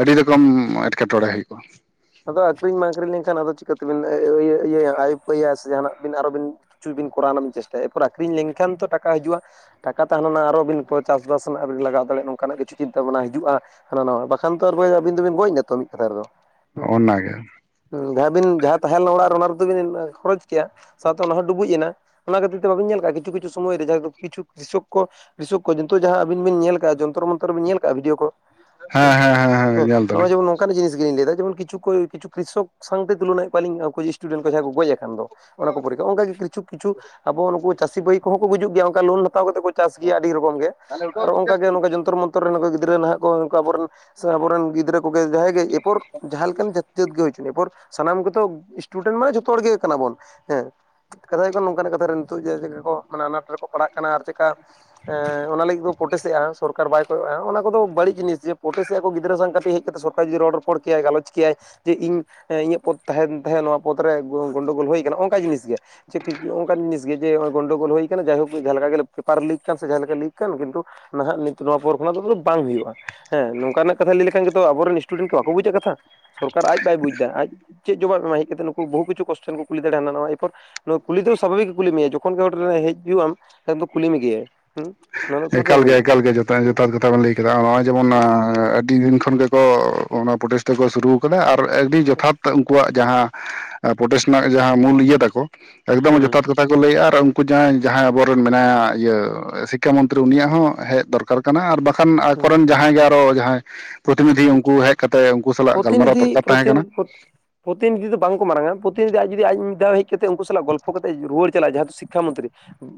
S2: ᱟᱹᱰᱤ ᱨᱚᱠᱚᱢ ᱮᱴᱠᱮᱴᱚᱬᱮ ᱦᱩᱭᱩᱜᱼᱟ ᱾
S1: ᱟᱫᱚ ᱟᱹᱠᱷᱨᱤᱧ ᱢᱟ ᱟᱹᱠᱷᱨᱤᱧ ᱞᱮᱱᱠᱷᱟᱱ ᱟᱫᱚ ᱪᱤᱠᱟᱹᱛᱮᱵᱤᱱ ᱤᱭᱟᱹᱭᱟ ᱟᱹᱭᱩᱯᱟᱹᱭᱟ ᱥᱮ ᱡᱟᱦᱱᱟᱜ ᱵᱤᱱ ᱟᱨ ᱦᱚᱸ ᱵᱤᱱ ᱠᱤᱪᱷᱩ ᱵᱤᱱ ᱠᱚᱨᱟᱣ ᱨᱮᱱᱟᱜ ᱵᱤᱱ ᱪᱮᱥᱴᱟᱭ ᱮᱨᱯᱚᱨ ᱟᱠᱷᱨᱤᱧ ᱞᱮᱱᱠᱷᱟᱱ ᱛᱚ ᱴᱟᱠᱟ ᱦᱤᱡᱩᱜᱼᱟ ᱾ ᱴᱟᱠᱟ ᱛᱟᱦᱮᱱ ᱞᱮᱱᱟ ᱟᱨᱦᱚᱸ ᱵᱤᱱ ᱛᱚ ᱪᱟᱥᱵᱟᱥ ᱨᱮᱱᱟᱜ ᱵᱤᱱ ᱞᱟᱜᱟᱣ ᱫᱟᱲᱮᱭᱟᱜ-ᱟ ᱱᱚᱝᱠᱟᱱᱟᱜ ᱠᱤᱪᱩ ᱪᱤᱱᱛᱟᱹ ᱵᱷᱟᱵᱱᱟ ᱦᱤᱡᱩᱜᱼᱟ ᱾ ᱦᱟᱱᱟ ᱱᱟᱣᱟ ᱵᱟᱠᱷᱟᱱ ᱛ ᱟᱨ ᱵᱚᱭᱦᱟ ᱟᱵᱤᱱ ᱫᱚᱵᱤᱱ ᱜᱚᱡ ᱱᱟ ᱛᱚ ᱢᱤᱫ ᱠᱟᱛᱷᱟ ᱨᱮ ᱫᱚ
S2: ᱚᱱᱟ ᱜᱮ
S1: ᱦᱸ ᱡᱟᱦᱟᱸᱵᱤᱱ ᱡᱟᱦᱟᱸ ᱛᱟᱦᱮᱸᱞᱱᱟ ᱚᱲᱟᱜ ᱨᱮ ᱚᱱᱟ ᱨᱮ ᱫᱚ ᱵᱤᱱ ᱠᱷᱚᱨᱚᱪ ᱠᱮᱭᱟ ᱥᱟᱶᱛᱮ ᱚᱱᱟ ᱦᱚᱸᱚᱸ ᱰᱩᱵᱩᱡ ᱮᱱᱟ ᱚᱱᱟ ᱠᱷᱟᱹᱛᱤᱨ ᱛᱮ ᱵᱟᱵᱤᱱ ᱧᱮᱞ ᱠᱟᱜ ᱠᱤᱪᱷᱩ ᱠᱤᱪᱷᱩ ᱥᱚᱢᱚᱭ ᱨᱮ ᱠᱤᱷᱩ ᱠᱤᱷᱩ ᱠᱚ ᱵᱤᱥᱚᱠ ᱠᱚ ᱡᱤᱱᱛᱩᱚ ᱡᱟᱦᱟᱸ ᱟᱵᱤᱱ ᱧᱮᱞ ᱠᱟᱜ ᱡᱚᱱᱛᱚᱨ ᱢᱚᱱᱛᱚᱨ ᱵᱤᱱ ᱧᱮᱞ ᱠᱟᱜ ᱵᱷᱤᱰᱭᱳ ᱠᱚ ᱦᱮᱸ ᱦᱮᱸ ᱱᱚᱜ ᱚᱭ ᱡᱮᱢᱚᱱ ᱚᱱᱟᱱ ᱡᱤᱱᱤᱥ ᱜᱮᱞᱤᱧ ᱞᱟᱹᱭ ᱮᱟ ᱡᱮᱚᱱ ᱠᱤᱪᱩ ᱠᱚ ᱠᱤᱪᱩ ᱠᱨᱤᱥᱚᱠ ᱥᱟᱶᱛᱮ ᱛᱩᱞᱱᱟᱮᱫ ᱠᱚᱣᱟᱞᱤᱧ ᱥᱴᱩᱰᱮᱱᱴ ᱠᱚ ᱡᱟᱦᱟᱸ ᱠᱚ ᱜᱚᱡ ᱟᱠᱟᱱ ᱫᱚ ᱚᱱᱟ ᱠᱚᱨᱤᱠᱮ ᱚᱱᱠᱟ ᱜᱮ ᱠᱤᱪᱷᱩ ᱠᱤᱪᱷᱩ ᱟᱵᱚ ᱱᱩᱠᱩ ᱪᱟᱹᱥᱤ ᱵᱟᱹᱭ ᱠᱚᱦᱚᱸ ᱠᱚ ᱜᱩᱡᱩᱜ ᱜᱮᱭᱟ ᱚᱱᱠᱟ ᱞᱳᱱ ᱦᱟᱛᱟᱣ ᱠᱟᱛᱮᱫ ᱠᱚ ᱪᱟᱥ ᱜᱮᱭᱟ ᱟᱹᱰᱤ ᱨᱚᱠᱚᱢ ᱜᱮ ᱟᱨ ᱚᱱᱠᱟᱜ ᱜᱮ ᱱᱚᱝᱠᱟ ᱡᱚᱱᱛᱚᱨ ᱢᱚᱱᱛᱚᱨ ᱨᱮᱱ ᱜᱤᱫᱽᱨᱟᱹ ᱱᱟᱦᱟᱜ ᱠᱚ ᱚᱱᱠᱟ ᱟᱵᱚᱨᱮᱱ ᱥᱮ ᱟᱵᱚᱨᱮᱱ ᱜᱤᱫᱽᱨᱟᱹ ᱠᱚᱜᱮ ᱡᱟᱦᱟᱸᱭ ᱜᱮ ᱮᱯᱚᱨ ᱡᱟᱦᱟᱸᱱ ᱪᱟᱹᱛ ᱜᱮᱭ ᱮᱨᱯᱚᱨ ᱥᱟᱱᱟᱢ ᱜᱮᱛᱚ ᱥᱴᱩᱰᱮᱱᱴ ᱢᱟᱱᱮ ᱡᱷᱚᱛᱚ ᱦᱚᱲ ᱜᱮ ᱠᱟᱱᱟ ᱵᱚᱱ ᱦᱮᱸ ᱠᱟᱛᱷᱟ ᱦᱩᱭᱩᱜ ᱠᱟᱱᱟ ᱱᱚᱝᱠᱟᱱᱟᱜ ᱠᱟᱛᱷᱟ ᱱᱤᱛᱚᱜ ᱡᱮ ᱪᱮᱫᱠᱟ ᱠᱚ ᱢᱟᱱᱮ ᱟᱱᱟᱴ ᱨᱮᱠᱚ ᱯᱟᱲᱦᱟᱜ ᱠᱟᱱᱟ ᱟᱨ ᱪᱮᱫᱠᱟ ᱚᱱᱟ ᱞᱟᱹᱜᱤᱫ ᱠᱚ ᱯᱚᱴᱮᱥᱮᱫ-ᱟ ᱥᱚᱨᱠᱟᱨ ᱵᱟᱭ ᱠᱚᱭᱚᱜ-ᱟ ᱚᱱᱟ ᱠᱚᱫᱚ ᱵᱟᱹᱲᱤᱡ ᱡᱤᱱᱤᱥ ᱡᱮ ᱯᱚᱴᱮᱥᱮᱜ-ᱟ ᱠᱚ ᱜᱤᱫᱽᱨᱟᱹ ᱵᱟᱝ ᱠᱟᱛᱮ ᱤᱭᱟ ᱠᱟᱛᱮ ᱨᱚᱲ ᱨᱚᱯᱚᱲ ᱠᱮᱭᱟᱭ ᱜᱟᱞᱚᱪ ᱠᱮᱭᱟᱭ ᱡᱮ ᱤᱧ ᱤᱧᱟᱹᱜ ᱯᱚᱫᱷ ᱛᱟᱦᱮᱱ ᱛᱟᱦᱮᱸ ᱱᱚᱣᱟ ᱯᱚᱫ ᱨᱮ ᱜᱚᱱᱰᱳᱜᱳᱞ ᱦᱩᱭ ᱟᱠᱟᱱᱟ ᱚᱱᱠᱟ ᱡᱤᱱᱤᱥ ᱜᱮ ᱡᱮ ᱠᱤᱪᱩ ᱚᱱᱠᱟ ᱡᱤᱱᱤᱥ ᱜᱮ ᱜᱚᱱᱰᱳᱜᱩᱞ ᱦᱩᱭ ᱠᱟᱱᱟ ᱡᱟᱭᱦᱳᱠ ᱡᱟᱦᱟᱸ ᱞᱮᱠᱟ ᱜᱮ ᱯᱮᱯᱟᱨ ᱞᱤᱠ ᱥᱮ ᱡᱟᱦᱟᱸᱮ ᱞᱤᱠ ᱠᱟᱱ ᱠᱤᱱᱛᱩ ᱱᱟᱦᱟᱜ ᱱᱤᱛ ᱱᱚᱣᱟ ᱯᱚᱨ ᱠᱷᱚᱱᱟᱜ ᱫᱚ ᱵᱟᱝ ᱦᱩᱭᱩᱜ-ᱟ ᱾ ᱦᱮᱸ ᱱᱚᱝᱠᱟᱱᱟᱜ ᱠᱟᱛᱷᱟ ᱞᱟᱹᱭ ᱞᱮᱠᱷᱟᱱ ᱜᱮᱛᱚ ᱟᱵᱚᱨᱮᱱ ᱮᱥᱴᱩᱰᱮᱱᱴ ᱠᱚ ᱵᱟᱠᱚ ᱵᱩᱡᱟᱜ ᱠᱟᱛᱷᱟ ᱾ ᱥᱚᱨᱠᱟᱨ ᱟᱡ ᱵᱟᱭ ᱵᱩᱡ ᱮᱫᱟ ᱟᱡ ᱪᱮᱫ ᱡᱚᱵᱟ ᱮᱢ ᱦᱮᱡ ᱠᱟᱛᱮ ᱱᱠᱩ ᱵᱩᱦᱩ ᱠᱤᱪᱷᱩ ᱠᱚᱥᱪᱮᱱ ᱠᱚ ᱠᱩᱞᱤ ᱫᱟᱲᱮᱱᱟ ᱱᱚᱣᱟ ᱮᱨᱯᱚᱨ ᱱᱚᱣᱟ ᱠᱩᱞᱤ ᱫᱚ ᱥᱟᱵᱷᱟᱵᱤᱠ ᱜᱮ ᱠᱩᱞᱤ ᱢᱮᱭᱟ ᱡᱚᱠᱷᱚᱱ ᱜᱮ ᱚᱵᱮᱱᱟᱜ ᱦᱩᱭᱩᱜᱩᱜ ᱟᱢ ᱮᱠᱷ ᱫᱚ ᱠᱩᱞᱤ ᱢᱮᱜᱭᱟᱭ ᱾
S2: ᱮᱠᱟᱞ ᱜᱮ ᱮᱠᱟᱞ ᱜᱮ ᱡᱚᱛᱚ
S1: ᱦᱩᱸ
S2: ᱡᱚᱛᱷᱟᱛ ᱠᱟᱛᱷᱟ ᱵᱮᱱ ᱞᱟᱹᱭ ᱠᱮᱫᱟ ᱱᱚᱜᱼᱚᱭ ᱡᱮᱢᱚᱱ ᱟᱹᱰᱤ ᱫᱤᱱ ᱠᱷᱚᱱ ᱜᱮᱠᱚ ᱚᱱᱟ ᱯᱨᱚᱴᱮᱥᱴ ᱫᱚ ᱠᱚ ᱥᱩᱨᱩᱼᱼ ᱟᱨ ᱟᱹᱰᱤ ᱡᱚᱛᱷᱟᱛ ᱩᱱᱠᱩᱣᱟᱜ ᱡᱟᱦᱟᱸ ᱯᱨᱚᱴᱮᱥᱴ ᱨᱮᱱᱟᱜ ᱡᱟᱦᱟᱸ ᱢᱩᱞ ᱤᱭᱟᱹ ᱛᱟᱠᱚᱼᱼ ᱮᱠᱫᱚᱢ ᱡᱚᱛᱷᱟᱛ
S1: ᱦᱩᱸ
S2: ᱠᱟᱛᱷᱟ ᱠᱚ ᱞᱟᱹᱭᱮᱫ-ᱟ ᱟᱨ ᱩᱱᱠᱩ ᱡᱟᱦᱟᱸᱭ ᱡᱟᱦᱟᱸᱭ ᱟᱵᱚᱨᱮᱱ ᱢᱮᱱᱟᱭᱟ ᱤᱭᱟᱹ ᱥᱤᱼᱼ ᱤᱠᱠᱷᱟ ᱢᱚᱱᱛᱨᱤ ᱩᱱᱤᱭᱟᱜ ᱦᱚᱸ ᱦᱮᱡ ᱫᱚᱨᱠᱟᱨ ᱠᱟᱱᱟ ᱟᱨ ᱵᱟᱠᱷᱟᱱ
S1: ᱦᱩᱸ
S2: ᱟᱠᱚ ᱨᱮᱱ ᱡᱟᱦᱟᱸᱭ ᱜᱮ ᱟᱨᱚ ᱡᱟᱦᱟᱸᱭ ᱼᱼ ᱯᱨᱚᱛᱤᱱᱤᱫᱷᱤ
S1: ᱦᱩᱸ
S2: ᱩᱱᱠᱩ ᱦᱮᱡ ᱠᱟᱛᱮ ᱩᱱᱠᱩ ᱥᱟᱞᱟᱜ ᱜᱟᱞᱢᱟᱨᱟᱣ ᱫᱚᱨᱠᱟᱨ ᱛᱟᱦᱮᱸ ᱠᱟᱱᱟ ᱾
S1: ᱯᱨᱚᱛᱤᱱᱤᱫᱷᱷᱤ ᱫᱚ ᱵᱟᱝᱠᱚ ᱢᱟᱨᱟᱝᱟ ᱯᱨᱚᱛᱤᱱᱤᱫᱷᱤ ᱟᱡ ᱡᱩᱫᱤ ᱟᱡ ᱢᱤᱫ ᱫᱷᱟᱣ ᱦᱮᱡ ᱠᱟᱛᱮ ᱩᱱᱠᱩ ᱥᱟᱞᱟᱜ ᱜᱚᱞᱯᱷᱚ ᱠᱟᱛᱮ ᱨᱩᱣᱟᱹᱲ ᱪᱟᱞᱟᱜ-ᱟ ᱼᱼ ᱥᱤᱠᱠᱷᱟ ᱢᱚᱱᱛᱨᱤ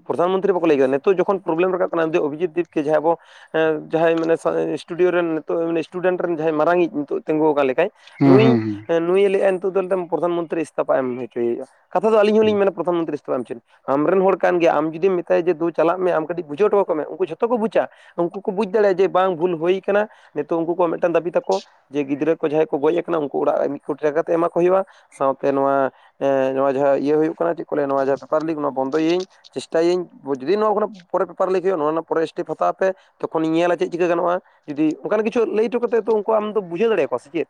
S1: ᱯᱨᱚᱫᱷᱟᱱ ᱢᱚᱱᱛᱨᱤ ᱵᱟᱠᱚ ᱞᱟᱹᱭ ᱠᱮᱫᱟ ᱱᱤᱛᱚᱜ ᱡᱚᱠᱷᱚᱱ ᱯᱨᱚᱵᱞᱮᱢ ᱨᱟᱠᱟᱵ ᱠᱟᱱᱟ ᱚᱵᱷᱤᱡᱤᱛ ᱫᱤᱯᱠᱮ ᱡᱟᱦᱟᱸᱭ ᱟᱵᱚ ᱼᱼ ᱦᱮᱸ ᱡᱟᱦᱟᱸᱭ ᱢᱟᱱᱮ ᱤᱥᱴᱩᱰᱤᱭᱳ ᱨᱮᱱ ᱱᱤᱛᱚᱜ ᱤᱥᱴᱩᱰᱮᱱᱴ ᱨᱮᱱ ᱡᱟᱦᱟᱸᱭ ᱢᱟᱨᱟᱝᱤᱡ ᱱᱤᱛᱚᱜ ᱼᱼ ᱛᱤᱸᱜᱩ ᱟᱠᱟᱱ ᱞᱮᱠᱟᱱ
S2: ᱦᱩᱸ
S1: ᱱᱩᱭ
S2: ᱦᱩᱸ ᱦᱩᱸ
S1: ᱱᱩᱭ ᱞᱟᱹᱭ ᱮᱫᱟᱭ ᱱᱤᱛᱚᱜ ᱫᱚ ᱯᱨᱚᱫᱷᱟᱱ ᱢᱚᱱᱛᱨᱤ ᱤᱥᱛᱚᱯᱷᱟ ᱮᱢ ᱦᱚᱪᱚᱭᱮ-ᱟ ᱦᱩᱭᱩᱜᱼᱟ ᱾ ᱠᱟᱛᱷᱟ ᱫᱚ ᱟᱞᱤᱧ ᱦᱚᱸᱞᱤᱧ ᱢᱮᱱᱟ ᱯᱨᱚᱫᱷᱟᱱ ᱢᱚᱱᱛᱨᱤ ᱤᱥᱛᱚᱯᱷᱟ ᱮᱢ ᱦᱚᱪᱚᱱᱤᱡ ᱾ ᱟᱢ ᱨᱮᱱ ᱦᱚᱲ ᱠᱟᱱ ᱜᱮᱭᱟᱭ ᱟᱢ ᱡᱩᱫᱤᱢ ᱢᱮᱛᱟᱭᱟ ᱡᱮ ᱫᱩ ᱪᱟᱞᱟᱜ ᱢᱮ ᱟᱢ ᱠᱟᱹᱴᱤᱡ ᱵᱩᱡᱷᱟᱹᱣ ᱦᱚᱴᱚ ᱠᱟᱠᱚ ᱢᱮ ᱩᱱᱠᱩ ᱡᱷᱚᱛᱚ ᱠᱚ ᱵᱩᱡᱟ ᱾ ᱩᱱᱠᱩ ᱠᱚ ᱵᱩᱡᱽ ᱫᱟᱲᱮᱭᱟᱜ-ᱟ ᱡᱮ ᱵᱟᱝ ᱵᱷᱩᱞ ᱦᱩᱭ ᱠᱟᱱᱟ ᱱᱤᱛᱚᱜ ᱩᱱᱠᱩ ᱠᱚᱣᱟᱜ ᱢᱤᱫᱴᱟᱱ ᱫᱟᱹᱵᱤ ᱛᱟᱠᱚ ᱼᱼ ᱡᱮ ᱜᱤᱫᱽᱨᱟᱹ ᱠᱚ ᱡᱟᱦᱟᱸᱭ ᱠᱚ ᱜᱚᱡ ᱟᱠᱟᱱᱟ ᱩᱱᱠᱩ ᱚᱲᱟᱜ ᱨᱮ ᱢᱤᱫ ᱠᱳᱴᱤ ᱴᱟᱠᱟ ᱠᱟᱛᱮ ᱮᱢᱟᱠᱚ ᱦᱩᱭᱩᱜᱼᱟ ᱥᱟᱶᱛᱮ ᱱᱚᱶᱟ ᱼᱼ ᱱᱚᱣᱟ ᱡᱟᱦᱟᱸ ᱤᱭᱟᱹ ᱦᱩᱭᱩᱜ ᱠᱟᱱᱟ ᱪᱮᱫ ᱠᱚ ᱞᱟᱹᱭᱟ ᱱᱚᱣᱟ ᱯᱮᱯᱟᱨ ᱞᱤᱠ ᱱᱚᱣᱟ ᱵᱚᱱᱫᱚᱭᱟᱹᱧ ᱼᱼ ᱪᱮᱥᱴᱟᱭᱟᱹᱧ ᱡᱩᱫᱤ ᱱᱚᱣᱟ ᱠᱷᱚᱱᱟᱜ ᱯᱚᱨᱮ ᱯᱮᱯᱟᱨ ᱞᱤᱠ ᱦᱩᱭᱩᱜᱼᱟ ᱨᱮᱱᱟᱜ ᱯᱚᱨᱮ ᱥᱴᱮᱯ ᱦᱟᱛᱟᱣ ᱯᱮ᱾ ᱛᱚᱠᱷᱚᱱᱤᱧ ᱧᱮᱞᱟ ᱪᱮᱫ ᱪᱤᱠᱟᱹ ᱜᱟᱱᱚᱜᱼᱟ ᱡᱩᱫᱤ ᱚᱱᱠᱟ ᱠᱤᱪᱷᱩ ᱞᱟᱹᱭ ᱦᱚᱴᱚ ᱠᱟᱛᱮᱫ ᱦᱚᱸ ᱛᱚ ᱩᱱᱠᱩ ᱟᱢ ᱼᱼ ᱵᱩᱡᱷᱟᱹᱣ ᱫᱟᱲᱮ ᱟᱠᱚᱣᱟ ᱥᱮ ᱪᱮᱫ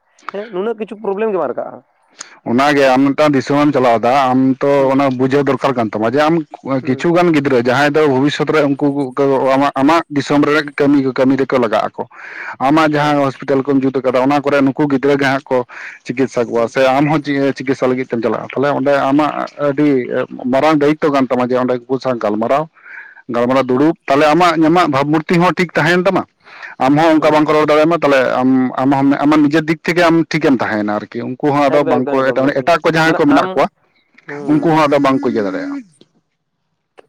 S1: ᱱᱩᱱᱟᱹᱜ ᱠᱤᱪᱷᱩ ᱯᱨᱚᱵᱞᱮᱢ ᱜᱮ ᱵᱟᱝ ᱨᱟᱠᱟᱵ-ᱟ ᱾
S2: ᱚᱱᱟ ᱜᱮ ᱟᱢ ᱢᱤᱫᱴᱟᱝ ᱫᱤᱥᱚᱢ ᱮᱢ ᱪᱟᱞᱟᱣ ᱮᱫᱟ ᱟᱢ ᱛᱚ ᱚᱱᱟ ᱵᱩᱡᱷᱟᱹᱣ ᱫᱚᱨᱠᱟᱨ ᱠᱟᱱ ᱛᱟᱢᱟ ᱡᱮ ᱟᱢ ᱼᱼ
S1: ᱦᱩᱸ
S2: ᱠᱤᱪᱷᱩᱜᱟᱱ ᱜᱤᱫᱽᱨᱟᱹ ᱡᱟᱦᱟᱸᱭ ᱫᱚ ᱵᱷᱚᱵᱤᱥᱥᱚᱛ ᱨᱮ ᱩᱱᱠᱩ ᱟᱢᱟᱜ
S1: ᱦᱩᱸ
S2: ᱼᱼ ᱫᱤᱥᱚᱢ ᱨᱮ ᱠᱟᱹᱢᱤ ᱠᱚ ᱠᱟᱹᱢᱤ ᱨᱮᱠᱚ ᱞᱟᱜᱟᱜ ᱟᱠᱚ ᱟᱢᱟᱜ
S1: ᱦᱮᱸ
S2: ᱡᱟᱦᱟᱸ ᱦᱚᱥᱯᱤᱼᱼ ᱴᱟᱞ ᱠᱚᱢ ᱡᱩᱛ ᱟᱠᱟᱫᱟ ᱚᱱᱟ ᱠᱚᱨᱮ ᱱᱩᱠᱩ ᱜᱤᱫᱽᱨᱟᱹ ᱜᱮ ᱦᱟᱸᱜ ᱠᱚ ᱪᱤᱠᱤᱛᱥᱟ ᱠᱚᱣᱟ
S1: ᱦᱩᱸ
S2: ᱾ ᱟᱢ ᱪᱤᱠᱤᱛᱥᱟ ᱞᱟᱹᱜᱤᱫ ᱛᱮᱢ ᱪᱟᱞᱟᱜ-ᱟ ᱛᱟᱦᱚᱞᱮ ᱚᱸᱰᱮ ᱟᱢᱟᱜ ᱟᱹᱰᱤ ᱼᱼ ᱢᱟᱨᱟᱝ ᱫᱟᱭᱤᱛᱛᱚ ᱠᱟᱱ ᱛᱟᱢᱟ ᱡᱮ ᱚᱸᱰᱮ ᱩᱱᱠᱩ ᱠᱚ ᱥᱟᱶ ᱜᱟᱞᱢᱟᱨᱟᱣ ᱾ ᱜᱟᱞᱢᱟᱨᱟᱣ
S1: ᱦᱩᱸ
S2: ᱫᱩᱲᱩᱵ ᱛᱟᱦᱚᱞᱮ ᱟᱢᱟᱜ ᱵᱷᱟᱵᱽ
S1: ᱦᱩᱸ
S2: ᱢᱩᱨᱛᱤ ᱦᱚᱸ ᱴᱷᱤᱠ ᱛᱟᱦᱮᱭᱮᱱ ᱛᱟᱢᱟ ᱟᱢ ᱦᱚᱸ ᱚᱱᱠᱟ ᱵᱟ
S1: ᱦᱩᱸ
S2: ᱠᱚ ᱨᱚᱲ ᱫᱟᱲᱮᱭᱟᱢᱟ ᱾ ᱛᱟᱦᱚᱞᱮ ᱟᱢ ᱟᱢ ᱟᱢᱟᱜ ᱱᱤᱡᱮᱨ ᱫᱤᱠ ᱛᱷᱮᱠᱮ ᱟᱢ ᱴᱷᱤᱠ ᱮᱢ ᱛᱟᱦᱮᱭᱮᱱᱟ ᱟᱨᱠᱤ ᱼᱼ ᱩᱱᱠᱩ ᱦᱚᱸ ᱟᱫᱚ
S1: ᱮᱠᱫᱚᱢ
S2: ᱵᱟᱝ
S1: ᱮᱠᱫᱚᱢ
S2: ᱠᱚ [unintelligible]
S1: ᱮᱠᱫᱚᱢ
S2: ᱮᱴᱟᱜ ᱠᱚ ᱡᱟᱦᱟᱸᱭ
S1: ᱢᱟᱱᱮ
S2: ᱠᱚ
S1: ᱟᱢ
S2: ᱢᱮᱱᱟᱜ ᱠᱚᱣᱟ ᱩᱱᱠᱩ
S1: ᱦᱩᱸ
S2: ᱦᱚᱸ ᱟᱫᱚ ᱵᱟᱝ ᱠᱚ ᱤᱭᱟᱹ ᱫᱟᱲᱮᱭᱟᱜ-ᱟ ᱾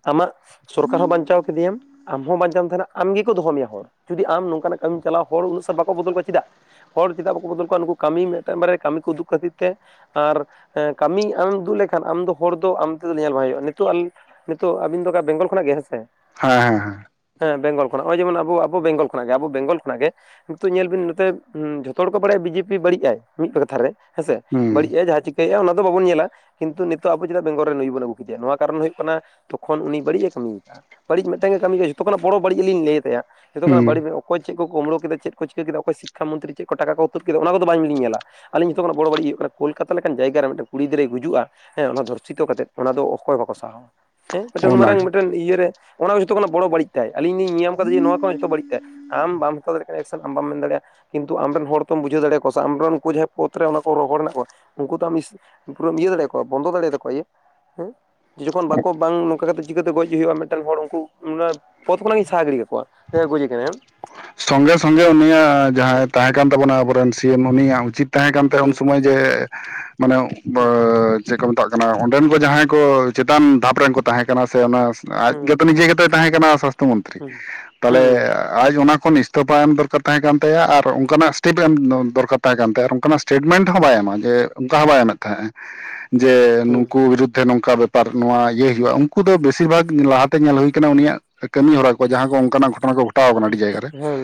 S1: ᱟᱢᱟᱜ ᱥᱚᱨᱠᱟᱨ ᱦᱚᱸ ᱵᱟᱧᱪᱟᱣ ᱠᱮᱫᱮᱭᱟᱢ ᱾ ᱟᱢ ᱦᱚᱸ ᱵᱟᱧᱪᱟᱣᱮᱢ ᱛᱟᱦᱮᱱᱟ ᱟᱢ ᱜᱮ ᱠᱚ ᱫᱚᱦᱚ ᱢᱮᱭᱟ ᱦᱚᱲ ᱾ ᱡᱩᱫᱤ ᱟᱢ ᱱᱚᱝᱠᱟᱱᱟᱜ ᱠᱟᱹᱢᱤᱢ ᱪᱟᱞᱟᱣᱟ ᱾ ᱦᱚᱲ ᱩᱱᱟᱹᱜ ᱥᱟᱞ ᱵᱟᱠᱚ ᱵᱚᱫᱚᱞ ᱠᱚᱣᱟ ᱪᱮᱫᱟᱜ? ᱦᱚᱲ ᱪᱮᱫᱟᱜ ᱵᱟᱠᱚ ᱵᱚᱫᱚᱞ ᱠᱚᱣᱟ ᱱᱩᱠᱩ ᱠᱟᱹᱢᱤ ᱢᱤᱫᱴᱟᱝ ᱵᱟᱨᱭᱟ ᱠᱟᱹᱢᱤ ᱠᱚ ᱩᱫᱩᱜ ᱠᱷᱟᱹᱛᱤᱨ ᱛᱮ ᱼᱼ ᱟᱨ ᱠᱟᱹᱢᱤ ᱟᱢᱮᱢ ᱫᱩᱜ ᱞᱮᱠᱷᱟᱱ ᱟᱢ ᱫᱚ ᱦᱚᱲ ᱫᱚ ᱟᱢ ᱛᱮᱫᱚ ᱧᱮᱞ ᱵᱟᱝ ᱦᱩᱭᱩᱜ-ᱟ ᱱᱤᱛᱚᱜ ᱼᱼ ᱱᱤᱛᱚᱜ ᱟᱵᱤᱱ ᱫᱚ ᱚᱠᱟ ᱵᱮᱝᱜᱚᱞ ᱠᱷᱚᱱᱟᱜ ᱜᱮ ᱦᱮᱸ ᱥᱮ?
S2: ᱦᱮᱸ ᱦᱮᱸ ᱦᱮᱸ ᱾
S1: ᱦᱮᱸ ᱵᱮᱜᱚᱞ ᱠᱷᱚᱱᱟᱜ ᱱᱚᱜᱼᱚᱭ ᱡᱮᱢᱚᱱ ᱟᱵᱚ ᱟᱵᱚ ᱵᱮᱝᱜᱚᱞ ᱠᱷᱚᱱᱟᱜ ᱜᱮ ᱟᱵᱚ ᱵᱮᱝᱜᱚᱞ ᱠᱷᱚᱱᱟᱜ ᱜᱮ ᱼᱼ ᱱᱤᱛᱚᱜ ᱧᱮᱞ ᱵᱤᱱ ᱱᱚᱛᱮ ᱡᱷᱚᱛᱚ ᱦᱚᱲ ᱠᱚ ᱵᱟᱲᱟᱭᱟ ᱵᱤᱡᱮᱯᱤ ᱵᱟᱹᱲᱤᱡ ᱟᱭ ᱢᱤᱫ ᱵᱟᱨ ᱠᱟᱛᱷᱟ ᱨᱮ ᱾ ᱦᱮᱸ ᱥᱮ ᱵᱟᱹᱲᱤᱡ ᱟᱭ ᱡᱟᱦᱟ ᱪᱤᱠᱟᱹ ᱼᱼ ᱭᱮᱫᱟ ᱚᱱᱟ ᱫᱚ ᱵᱟᱵᱚᱱ ᱧᱮᱞᱟ ᱠᱤᱱᱛᱩ ᱱᱤᱛᱚᱜ ᱟᱵᱚ ᱪᱮᱫᱟᱜ ᱵᱮᱝᱜᱚᱞ ᱨᱮ ᱱᱩᱭ ᱵᱚᱱ ᱟᱹᱜᱩ ᱠᱮᱫᱮᱭᱟ ᱱᱚᱣᱟ ᱠᱟᱨᱚᱱ ᱦᱩᱭᱩᱜ ᱠᱟᱱᱟ ᱼᱼ ᱛᱚᱠᱷᱚᱱ ᱩᱱᱤ ᱵᱟᱹᱲᱤᱡ ᱮ ᱠᱟᱹᱢᱤ ᱟᱠᱟᱜᱼᱟ ᱵᱟᱹᱲᱤᱡ ᱢᱤᱫᱴᱮᱱ ᱜᱮᱭ ᱠᱟᱹᱢᱤᱭ ᱠᱟᱜᱼᱟ ᱡᱚᱛᱚ ᱠᱷᱚᱱᱟᱜ ᱵᱚᱲᱚ ᱵᱟᱹᱲᱤᱡ ᱞᱤᱧ ᱞᱟᱹᱭ ᱟ ᱛᱟᱭᱟ ᱡᱚᱛᱚᱱᱟᱜ
S2: ᱦᱩᱸ ᱦᱩᱸ
S1: ᱵᱟᱹᱲᱤᱡ ᱼᱼ ᱚᱠᱚᱭ ᱪᱮᱫ ᱠᱚ ᱠᱩᱢᱲᱩ ᱠᱮᱫᱟ, ᱪᱮᱫ ᱠᱚ ᱪᱤᱠᱟᱹ ᱠᱮᱫᱟ, ᱚᱠᱚᱭ ᱥᱤᱠᱷᱟ ᱢᱚᱱᱛᱨᱤ ᱪᱮᱫ ᱠᱚ ᱴᱟᱠᱟ ᱠᱚ ᱛᱩᱫ ᱠᱮᱫᱟ ᱚᱱᱟ ᱠᱚᱫᱚ ᱵᱟᱝ ᱞᱤᱧ ᱧᱮᱞᱟ ᱾ ᱟᱞᱤᱧ ᱡᱚᱛᱚ ᱠᱷᱚᱱᱟᱜ ᱵᱚᱲᱚ ᱵᱟᱹᱲᱤᱡ ᱦᱩᱭᱩᱜ ᱠᱟᱱᱟ ᱠᱳᱞᱠᱟᱛᱟ ᱞᱮᱠᱟᱱ ᱡᱟᱭᱜᱟ ᱨᱮ ᱢᱤᱫᱴᱮᱱ ᱠᱩᱲᱤ ᱜᱤᱫᱽᱨᱟᱹᱭ ᱜᱩᱡᱩᱜᱼᱟ ᱼᱼ ᱦᱮᱸ ᱚᱱᱟ ᱫᱷᱚᱨᱥᱤᱛᱚ ᱠᱟᱛᱮᱫ ᱚᱱᱟ ᱫᱚ ᱚᱠᱚᱭ ᱵᱟᱠᱚ ᱥᱟᱦᱟᱣᱟ ᱾ ᱦᱮᱸ ᱢᱤᱫᱴᱮᱱ ᱢᱟᱨᱟᱝ
S2: ᱚᱱᱟᱜᱮ
S1: ᱢᱤᱫᱴᱮᱱ ᱤᱭᱟᱹ ᱨᱮ ᱚᱱᱟ ᱠᱚ ᱡᱷᱚᱛᱚ ᱠᱷᱚᱱᱟᱜ ᱵᱚᱲᱚ ᱵᱟᱹᱲᱤᱡ ᱛᱟᱭ ᱾ ᱟᱞᱤᱧ ᱞᱤᱧ ᱧᱮᱞ ᱧᱟᱢ ᱠᱟᱫᱟ ᱡᱮ ᱱᱚᱣᱟ ᱠᱚ ᱦᱚᱸ ᱡᱚᱛᱚ ᱵᱟᱹᱲᱤᱡ ᱛᱟᱭ ᱾ ᱟᱢ ᱵᱟᱢ ᱦᱟᱛᱟᱣ ᱫᱟᱲᱮᱭᱟᱜ ᱠᱟᱱᱟ ᱮᱠᱥᱮᱱ ᱟᱢ ᱵᱟᱢ ᱢᱮᱱ ᱫᱟᱲᱮᱭᱟᱜᱼᱟ ᱾ ᱠᱤᱱᱛᱩ ᱟᱢ ᱨᱮᱱ ᱦᱚᱲ ᱛᱚᱢ ᱵᱩᱡᱷᱟᱹᱣ ᱫᱟᱲᱮᱭᱟᱠᱚᱣᱟ ᱥᱮ ᱟᱢ ᱨᱮᱱ ᱩᱱᱠᱩ ᱡᱟᱦᱟᱸᱭ ᱯᱚᱫᱽ ᱨᱮ ᱠᱚ ᱦᱚᱲ ᱢᱮᱱᱟᱜ ᱠᱚᱣᱟ ᱩᱱᱠᱩ ᱛᱚ ᱼᱼ ᱯᱩᱨᱟᱹ ᱤᱭᱟᱹ ᱫᱟᱲᱮᱭᱟᱠᱚᱣᱟ ᱵᱚᱱᱫᱚ ᱫᱟᱲᱮᱭᱟᱜ ᱛᱟᱠᱚᱣᱟ ᱤᱭᱟᱹ ᱦᱮᱸ ᱡᱚᱠᱷᱚᱱ ᱼᱼ ᱠᱚ ᱵᱟᱝ ᱼᱼ ᱚᱱᱠᱟ ᱠᱟᱛᱮ ᱪᱤᱠᱟᱹᱛᱮ ᱜᱚᱡ ᱦᱩᱭᱩᱜᱼᱟ ᱢᱤᱫᱴᱟᱝ ᱦᱚᱲ ᱩᱱᱠᱩ ᱯᱚᱫᱽ ᱠᱷᱚᱱᱟᱜ ᱤᱧ ᱥᱟᱦᱟ ᱜᱤᱰᱤ ᱠᱟᱠᱚᱣᱟ ᱜᱚᱡᱮ ᱠᱟᱱᱟ ᱼᱼ
S2: ᱥᱚᱸᱜᱮ ᱥᱚᱸᱜᱮ ᱩᱱᱤᱭᱟᱜ ᱡᱟᱦᱟᱸᱭ ᱛᱟᱦᱮᱸ ᱠᱟᱱ ᱛᱟᱵᱚᱱᱟ ᱟᱵᱚᱨᱮᱱ ᱥᱤ ᱮᱢ ᱩᱱᱤᱭᱟᱜ ᱩᱪᱤᱛ ᱼᱼ ᱛᱟᱦᱮᱸ ᱠᱟᱱ ᱛᱟᱭᱟ ᱩᱱ
S1: ᱦᱩᱸ
S2: ᱥᱚᱢᱚᱭ ᱡᱮ ᱢᱟᱱᱮᱼᱼ ᱪᱮᱫ ᱠᱚ ᱢᱮᱛᱟᱜ ᱠᱟᱱᱟ ᱚᱸᱰᱮᱱ ᱠᱚ ᱡᱟᱦᱟᱸᱭ ᱠᱚ ᱪᱮᱛᱟᱱ ᱫᱷᱟᱯ ᱨᱮᱱ ᱠᱚ ᱛᱟᱦᱮᱸ ᱠᱟᱱᱟ ᱥᱮ ᱚᱱᱟ ᱟᱡ
S1: ᱦᱩᱸ
S2: ᱜᱮ ᱛᱚ ᱱᱤᱡᱮ ᱜᱮ ᱛᱚ ᱼᱼ ᱛᱟᱦᱮᱸ ᱠᱟᱱᱟ ᱥᱟᱥᱛᱷᱚ ᱢᱚᱱᱛᱨᱤ
S1: ᱦᱩᱸ
S2: ᱛᱟᱦᱚᱞᱮ
S1: ᱦᱩᱸ
S2: ᱟᱡ ᱚᱱᱟ ᱼᱼ ᱠᱷᱚᱱ ᱤᱥᱛᱳᱯᱷᱟ ᱮᱢ ᱫᱚᱨᱠᱟᱨ ᱛᱟᱦᱮᱸ ᱠᱟᱱ ᱛᱟᱭᱟ ᱟᱨ ᱚᱱᱠᱟᱱᱟᱜ ᱥᱴᱮᱯ ᱮᱢ ᱫᱚᱨᱠᱟᱨ ᱛᱟᱦᱮᱸ ᱠᱟᱱ ᱛᱟᱭᱟ ᱚᱱᱠᱟᱱᱟᱜ ᱥᱴᱮᱴᱢᱮᱱᱴ ᱦᱚᱸ ᱵᱟᱭ ᱮᱢᱟ ᱡᱮ ᱚᱱᱠᱟ ᱦᱚᱸ ᱵᱟᱭ ᱮᱢᱮᱫ ᱛᱟᱦᱮᱸᱫ ᱡᱮ
S1: ᱦᱩᱸ ᱦᱩᱸ
S2: ᱱᱩᱠᱩ ᱵᱤᱨᱩᱫᱽᱫᱷᱮ ᱱᱚᱝᱠᱟ ᱵᱮᱯᱟᱨ ᱱᱚᱣᱟ ᱤᱭᱟᱹ ᱦᱩᱭᱩᱜᱼᱟ ᱩᱱᱠᱩ ᱫᱚ ᱵᱮᱥᱤᱨ ᱵᱷᱟᱜᱽ ᱞᱟᱦᱟᱛᱮ ᱧᱮᱞ ᱦᱩᱭ ᱟᱠᱟᱱᱟ ᱩᱱᱤᱭᱟᱜ ᱠᱟᱹᱢᱤ ᱦᱚᱨᱟ ᱠᱚ ᱡᱟᱦᱟᱸ ᱠᱚ ᱚᱱᱠᱟᱱᱟᱜ ᱜᱷᱚᱴᱚᱱᱟ ᱠᱚ ᱜᱷᱚᱴᱟᱣ ᱠᱟᱱᱟ ᱟᱹᱰᱤ
S1: ᱦᱩᱸ
S2: ᱡᱟᱭᱜᱟ ᱨᱮ
S1: ᱦᱮᱸ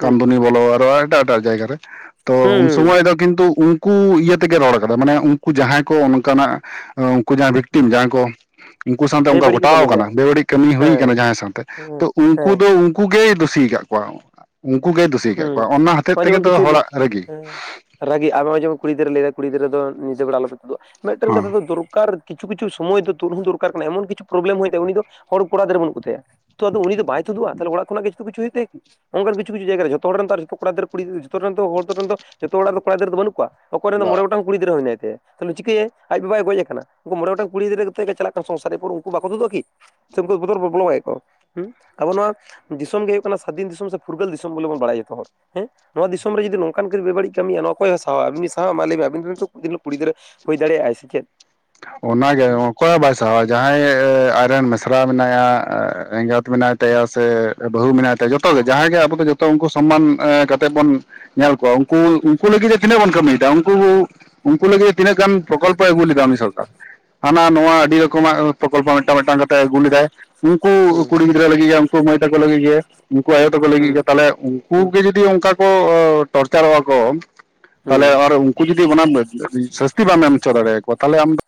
S1: ᱦᱩᱸ
S2: ᱵᱚᱞᱚ ᱟᱨ ᱮᱴᱟᱜ ᱮᱴᱟᱜ ᱡᱟᱭᱜᱟ ᱨᱮ ᱛᱚ ᱩᱱ ᱥᱚᱢᱚᱭ ᱫᱚ ᱠᱤᱱᱛᱩ ᱩᱱᱠᱩ ᱤᱭᱟᱹ ᱛᱮᱜᱮ ᱨᱚᱲ ᱠᱟᱫᱟ ᱢᱟᱱᱮ ᱩᱱᱠᱩ ᱡᱟᱦᱟᱸᱭ ᱠᱚ ᱚᱱᱠᱟᱱᱟᱜ ᱩᱱᱠᱩ ᱡᱟᱦᱟᱸ
S1: ᱦᱩᱸ
S2: ᱵᱷᱤᱠᱴᱤᱢ ᱡᱟᱦᱟᱸᱭ ᱠᱚ ᱩᱱᱠᱩ ᱥᱟᱶᱛᱮ ᱚᱱᱠᱟ
S1: ᱵᱮᱵᱟᱹᱲᱤᱡ ᱠᱚ
S2: ᱜᱷᱚᱴᱟᱣ
S1: ᱠᱟᱹᱢᱤᱭ
S2: ᱠᱟᱱᱟ
S1: ᱠᱟᱜᱼᱟ
S2: ᱵᱮᱵᱟᱹᱲᱤᱡ ᱠᱟᱹᱢᱤ ᱦᱩᱭ ᱠᱟᱱᱟ
S1: ᱦᱮᱸ
S2: ᱡᱟᱦᱟᱸᱭ ᱥᱟᱶᱛᱮ
S1: ᱦᱮᱸ
S2: ᱛᱚ ᱩᱱᱠᱩ
S1: ᱦᱮᱸ
S2: ᱫᱚ ᱩᱱᱠᱩ ᱜᱮᱭ ᱫᱩᱥᱤ ᱟᱠᱟ ᱠᱚᱣᱟ ᱩᱱᱠᱩ ᱜᱮᱭ ᱫᱩᱥᱤ ᱟᱠᱟ ᱠᱚᱣᱟ
S1: ᱦᱩᱸ
S2: ᱚᱱᱟ ᱦᱚᱛᱮᱛ ᱛᱮᱜᱮ ᱛᱚ ᱦᱚᱲᱟᱜ ᱨᱟᱜᱤ
S1: ᱨᱟᱜᱤ [unintelligible] ᱠᱩᱲᱤ ᱜᱤᱫᱽᱨᱟᱹ ᱞᱟᱹᱭ ᱫᱟᱭ ᱠᱩᱲᱤ ᱜᱤᱫᱽᱨᱟᱹ ᱧᱤᱫᱟᱹ ᱵᱮᱲᱟ ᱟᱞᱚᱯᱮ ᱛᱩᱫᱩᱜ ᱟ ᱟᱫᱚ
S2: ᱦᱚᱸ
S1: ᱢᱤᱫᱴᱟᱜ [unintelligible] ᱫᱚᱨᱟᱨ ᱠᱤᱪᱷᱩ ᱠᱤᱪᱷᱩ ᱥᱚᱭᱚᱭ ᱛᱚ ᱛᱩᱫᱦᱚᱸ ᱫᱚᱨᱠᱟᱨ ᱠᱟᱱᱟ ᱮᱢᱚᱱ ᱠᱤᱪᱷᱩ ᱯᱨᱚᱵᱞᱮᱢ ᱦᱩᱭᱩᱜ ᱛᱟᱭᱟ ᱩᱱᱤ ᱫᱚ ᱦᱚᱲ ᱠᱚᱲᱟ ᱜᱤᱫᱽᱨᱟᱹ ᱵᱟᱹᱱᱩᱜ ᱠᱚ ᱛᱟᱭᱟ ᱛᱚ ᱩᱱᱤ ᱫᱚ ᱵᱟᱭ ᱛᱩᱫᱩᱜᱼᱟ ᱛᱟᱦᱚᱞ ᱚᱲᱟᱜ ᱠᱷᱚᱱᱟᱜ ᱜᱮ ᱡᱷᱚᱛᱚ ᱠᱤᱪᱷᱩ ᱦᱩᱭᱩᱜ ᱛᱟᱭᱟ ᱚᱱᱠᱟᱱ ᱠᱤᱪᱷᱩ ᱠᱤᱪᱷᱩ ᱡᱟᱭᱜᱟ ᱡᱷᱚᱛᱚ ᱦᱚᱲ ᱨᱮᱱ ᱫᱚ ᱠᱚᱲᱟ ᱜᱤᱫᱟᱹᱨ ᱠᱩᱲᱤ ᱡᱚᱛᱚ ᱨᱮᱱ ᱫᱚ ᱦᱚᱲ ᱫᱚ ᱨᱮᱱ ᱫᱚ ᱡᱚᱛᱚ ᱦᱚᱲᱟᱜ ᱠᱚᱲᱟ ᱜᱤᱫᱽᱨᱟᱹ ᱫᱚ ᱵᱟᱹᱱᱩᱜ ᱠᱚ ᱚᱠᱚᱭ ᱨᱮᱱ ᱫᱚ ᱢᱚᱬᱮ ᱜᱚᱴᱟᱝ ᱠᱩᱲᱤ ᱜᱤᱫᱽᱨᱟᱹ ᱦᱮᱱᱟᱭ ᱛᱟᱭᱟ ᱛᱚ ᱩᱱᱤ ᱪᱤᱠᱟᱹᱭᱟ ᱟᱡ ᱵᱟᱵᱟᱭ ᱜᱚᱡ ᱟᱠᱟᱱᱟ ᱩᱱᱠᱩ ᱢᱚᱬᱮ ᱜᱚᱴᱟᱝ ᱠᱩᱲᱤ ᱜᱤᱫᱽᱨᱟᱹ ᱠᱟᱛᱮ ᱜᱮ ᱪᱟᱞᱟᱜ ᱠᱟᱱᱟ ᱥᱚᱝᱥᱟᱨᱤ ᱯᱚᱨ ᱩᱱᱠᱩ ᱵᱟᱠᱚ ᱛᱩᱫᱩᱜᱼᱟ ᱠᱤ ᱥᱮ ᱩᱱᱠᱩ ᱵᱚᱛᱚᱨ ᱵᱚᱞᱚᱣᱟᱭᱮᱫ ᱠᱚ ᱦᱩᱸ ᱟᱵᱚ ᱱᱚᱣᱟ ᱫᱤᱥᱚᱢ ᱜᱮ ᱦᱩᱭᱩᱜ ᱠᱟᱱᱟ ᱥᱟᱹᱫᱷᱤᱱ ᱫᱤᱥᱚᱢ ᱥᱮ ᱯᱷᱩᱨᱜᱟᱹᱞ ᱫᱤᱥᱚᱢ ᱵᱚᱞ ᱵᱚᱱ ᱵᱟᱲᱟᱭ ᱡᱚᱛᱚ ᱦᱚᱲ ᱦᱮᱸ ᱱᱚᱣᱟ ᱫᱤᱥᱚᱢ ᱨᱮ ᱡᱩᱫᱤ ᱱᱚᱝᱠᱟᱱ ᱵᱮ ᱵᱟᱹᱲᱤᱡ ᱠᱟᱹᱢᱤᱭᱟ ᱱᱚᱣᱟ ᱚᱠᱚᱭᱼᱮ ᱥᱟᱦᱟᱣ ᱟᱵᱤᱱ ᱵᱤᱱ ᱥᱟᱦᱟᱣᱟ ᱢᱟ ᱞᱟᱹᱭ ᱢᱮ ᱟᱵᱤᱱ ᱨᱤᱱ ᱛᱚ ᱢᱤᱫᱤᱱ ᱦᱤᱞᱚᱜ ᱠᱩᱲᱤ ᱜᱤᱫᱽᱨᱟᱹ ᱦᱩᱭ ᱫᱟᱲᱮᱭᱟᱜᱼᱟᱭ ᱥᱮ ᱪᱮᱫ
S2: ᱚᱱᱟᱜᱮ
S1: ᱦᱩᱸ
S2: ᱚᱠᱚᱭ ᱵᱟᱭ ᱥᱟᱦᱟᱣᱟ ᱡᱟᱦᱟᱸᱭ ᱟᱡᱨᱮᱱ ᱢᱤᱥᱨᱟ ᱢᱮᱱᱟᱭᱟ ᱮᱸᱜᱟᱛ ᱢᱮᱱᱟᱭ ᱛᱟᱭᱟ
S1: ᱦᱩᱸ
S2: ᱥᱮ ᱵᱟᱹᱦᱩ ᱢᱮᱱᱟᱭ ᱛᱟᱭᱟ ᱡᱚᱛᱚ ᱜᱮ ᱡᱟᱦᱟᱸᱜᱮ ᱟᱵᱚ ᱫᱚ ᱡᱚᱛᱚ ᱩᱱᱠᱩ ᱥᱚᱢᱢᱟᱱ ᱠᱟᱛᱮᱜ ᱵᱚᱱ ᱧᱮᱞ ᱠᱚᱣᱟ ᱩᱱᱠᱩ ᱩᱱᱠᱩ ᱞᱟᱹᱜᱤᱫ ᱛᱤᱱᱟᱹᱜ ᱵᱚᱱ ᱠᱟᱹᱢᱤᱭᱮᱫᱟ ᱩᱱᱠᱩ ᱩᱱᱠᱩ ᱞᱟᱹᱜᱤᱫ ᱛᱤᱱᱟᱹᱜ ᱜᱟᱱ ᱯᱨᱚᱠᱚᱞᱯᱚ ᱟᱹᱜᱩ ᱞᱮᱫᱟ ᱩᱱᱤ ᱥᱚᱨᱠᱟᱨ ᱦᱟᱱᱟ ᱱᱚᱣᱟ ᱟᱹᱰᱤ ᱨᱚᱠᱚᱢᱟᱜ ᱯᱨᱚᱠᱚᱞᱯᱚ ᱢᱤᱫᱴᱟᱝ ᱢᱤᱫᱴᱟᱝ ᱠᱟᱛᱮᱫ ᱟᱜᱩ ᱞᱮᱫᱟᱭ ᱩᱱᱠᱩ
S1: ᱦᱩᱸ
S2: ᱠᱩᱲᱤ ᱜᱤᱫᱽᱨᱟᱹ ᱞᱟᱹᱜᱤᱫ ᱜᱮ ᱩᱱᱠᱩ ᱢᱟᱹᱭ ᱛᱟᱠᱚ ᱞᱟᱹᱜᱤᱫ ᱜᱮ ᱩᱱᱠᱩ
S1: ᱦᱩᱸ ᱦᱩᱸ
S2: ᱟᱭᱳ ᱛᱟᱠᱚ ᱞᱟᱹᱜᱤᱫ
S1: ᱦᱩᱸ
S2: ᱜᱮ ᱛᱟᱦᱞᱮ ᱩᱱᱠᱩ
S1: ᱦᱩᱸ
S2: ᱜᱮ ᱡᱚᱫᱤ ᱚᱱᱠᱟ ᱠᱚ ᱴᱚᱨᱪᱟᱨᱚᱜᱼᱟ ᱠᱚ ᱛᱟᱦᱞᱮ
S1: ᱦᱩᱸ
S2: ᱟᱨ ᱩᱱᱠᱩ ᱡᱩᱫᱤ ᱚᱱᱟ ᱥᱟᱹᱥᱛᱤ ᱵᱟᱢ ᱮᱢ ᱦᱚᱪᱚ ᱫᱟᱲᱮᱭᱟᱠᱚᱣᱟ ᱛᱟᱦᱞᱮ ᱟᱢ ᱫᱚ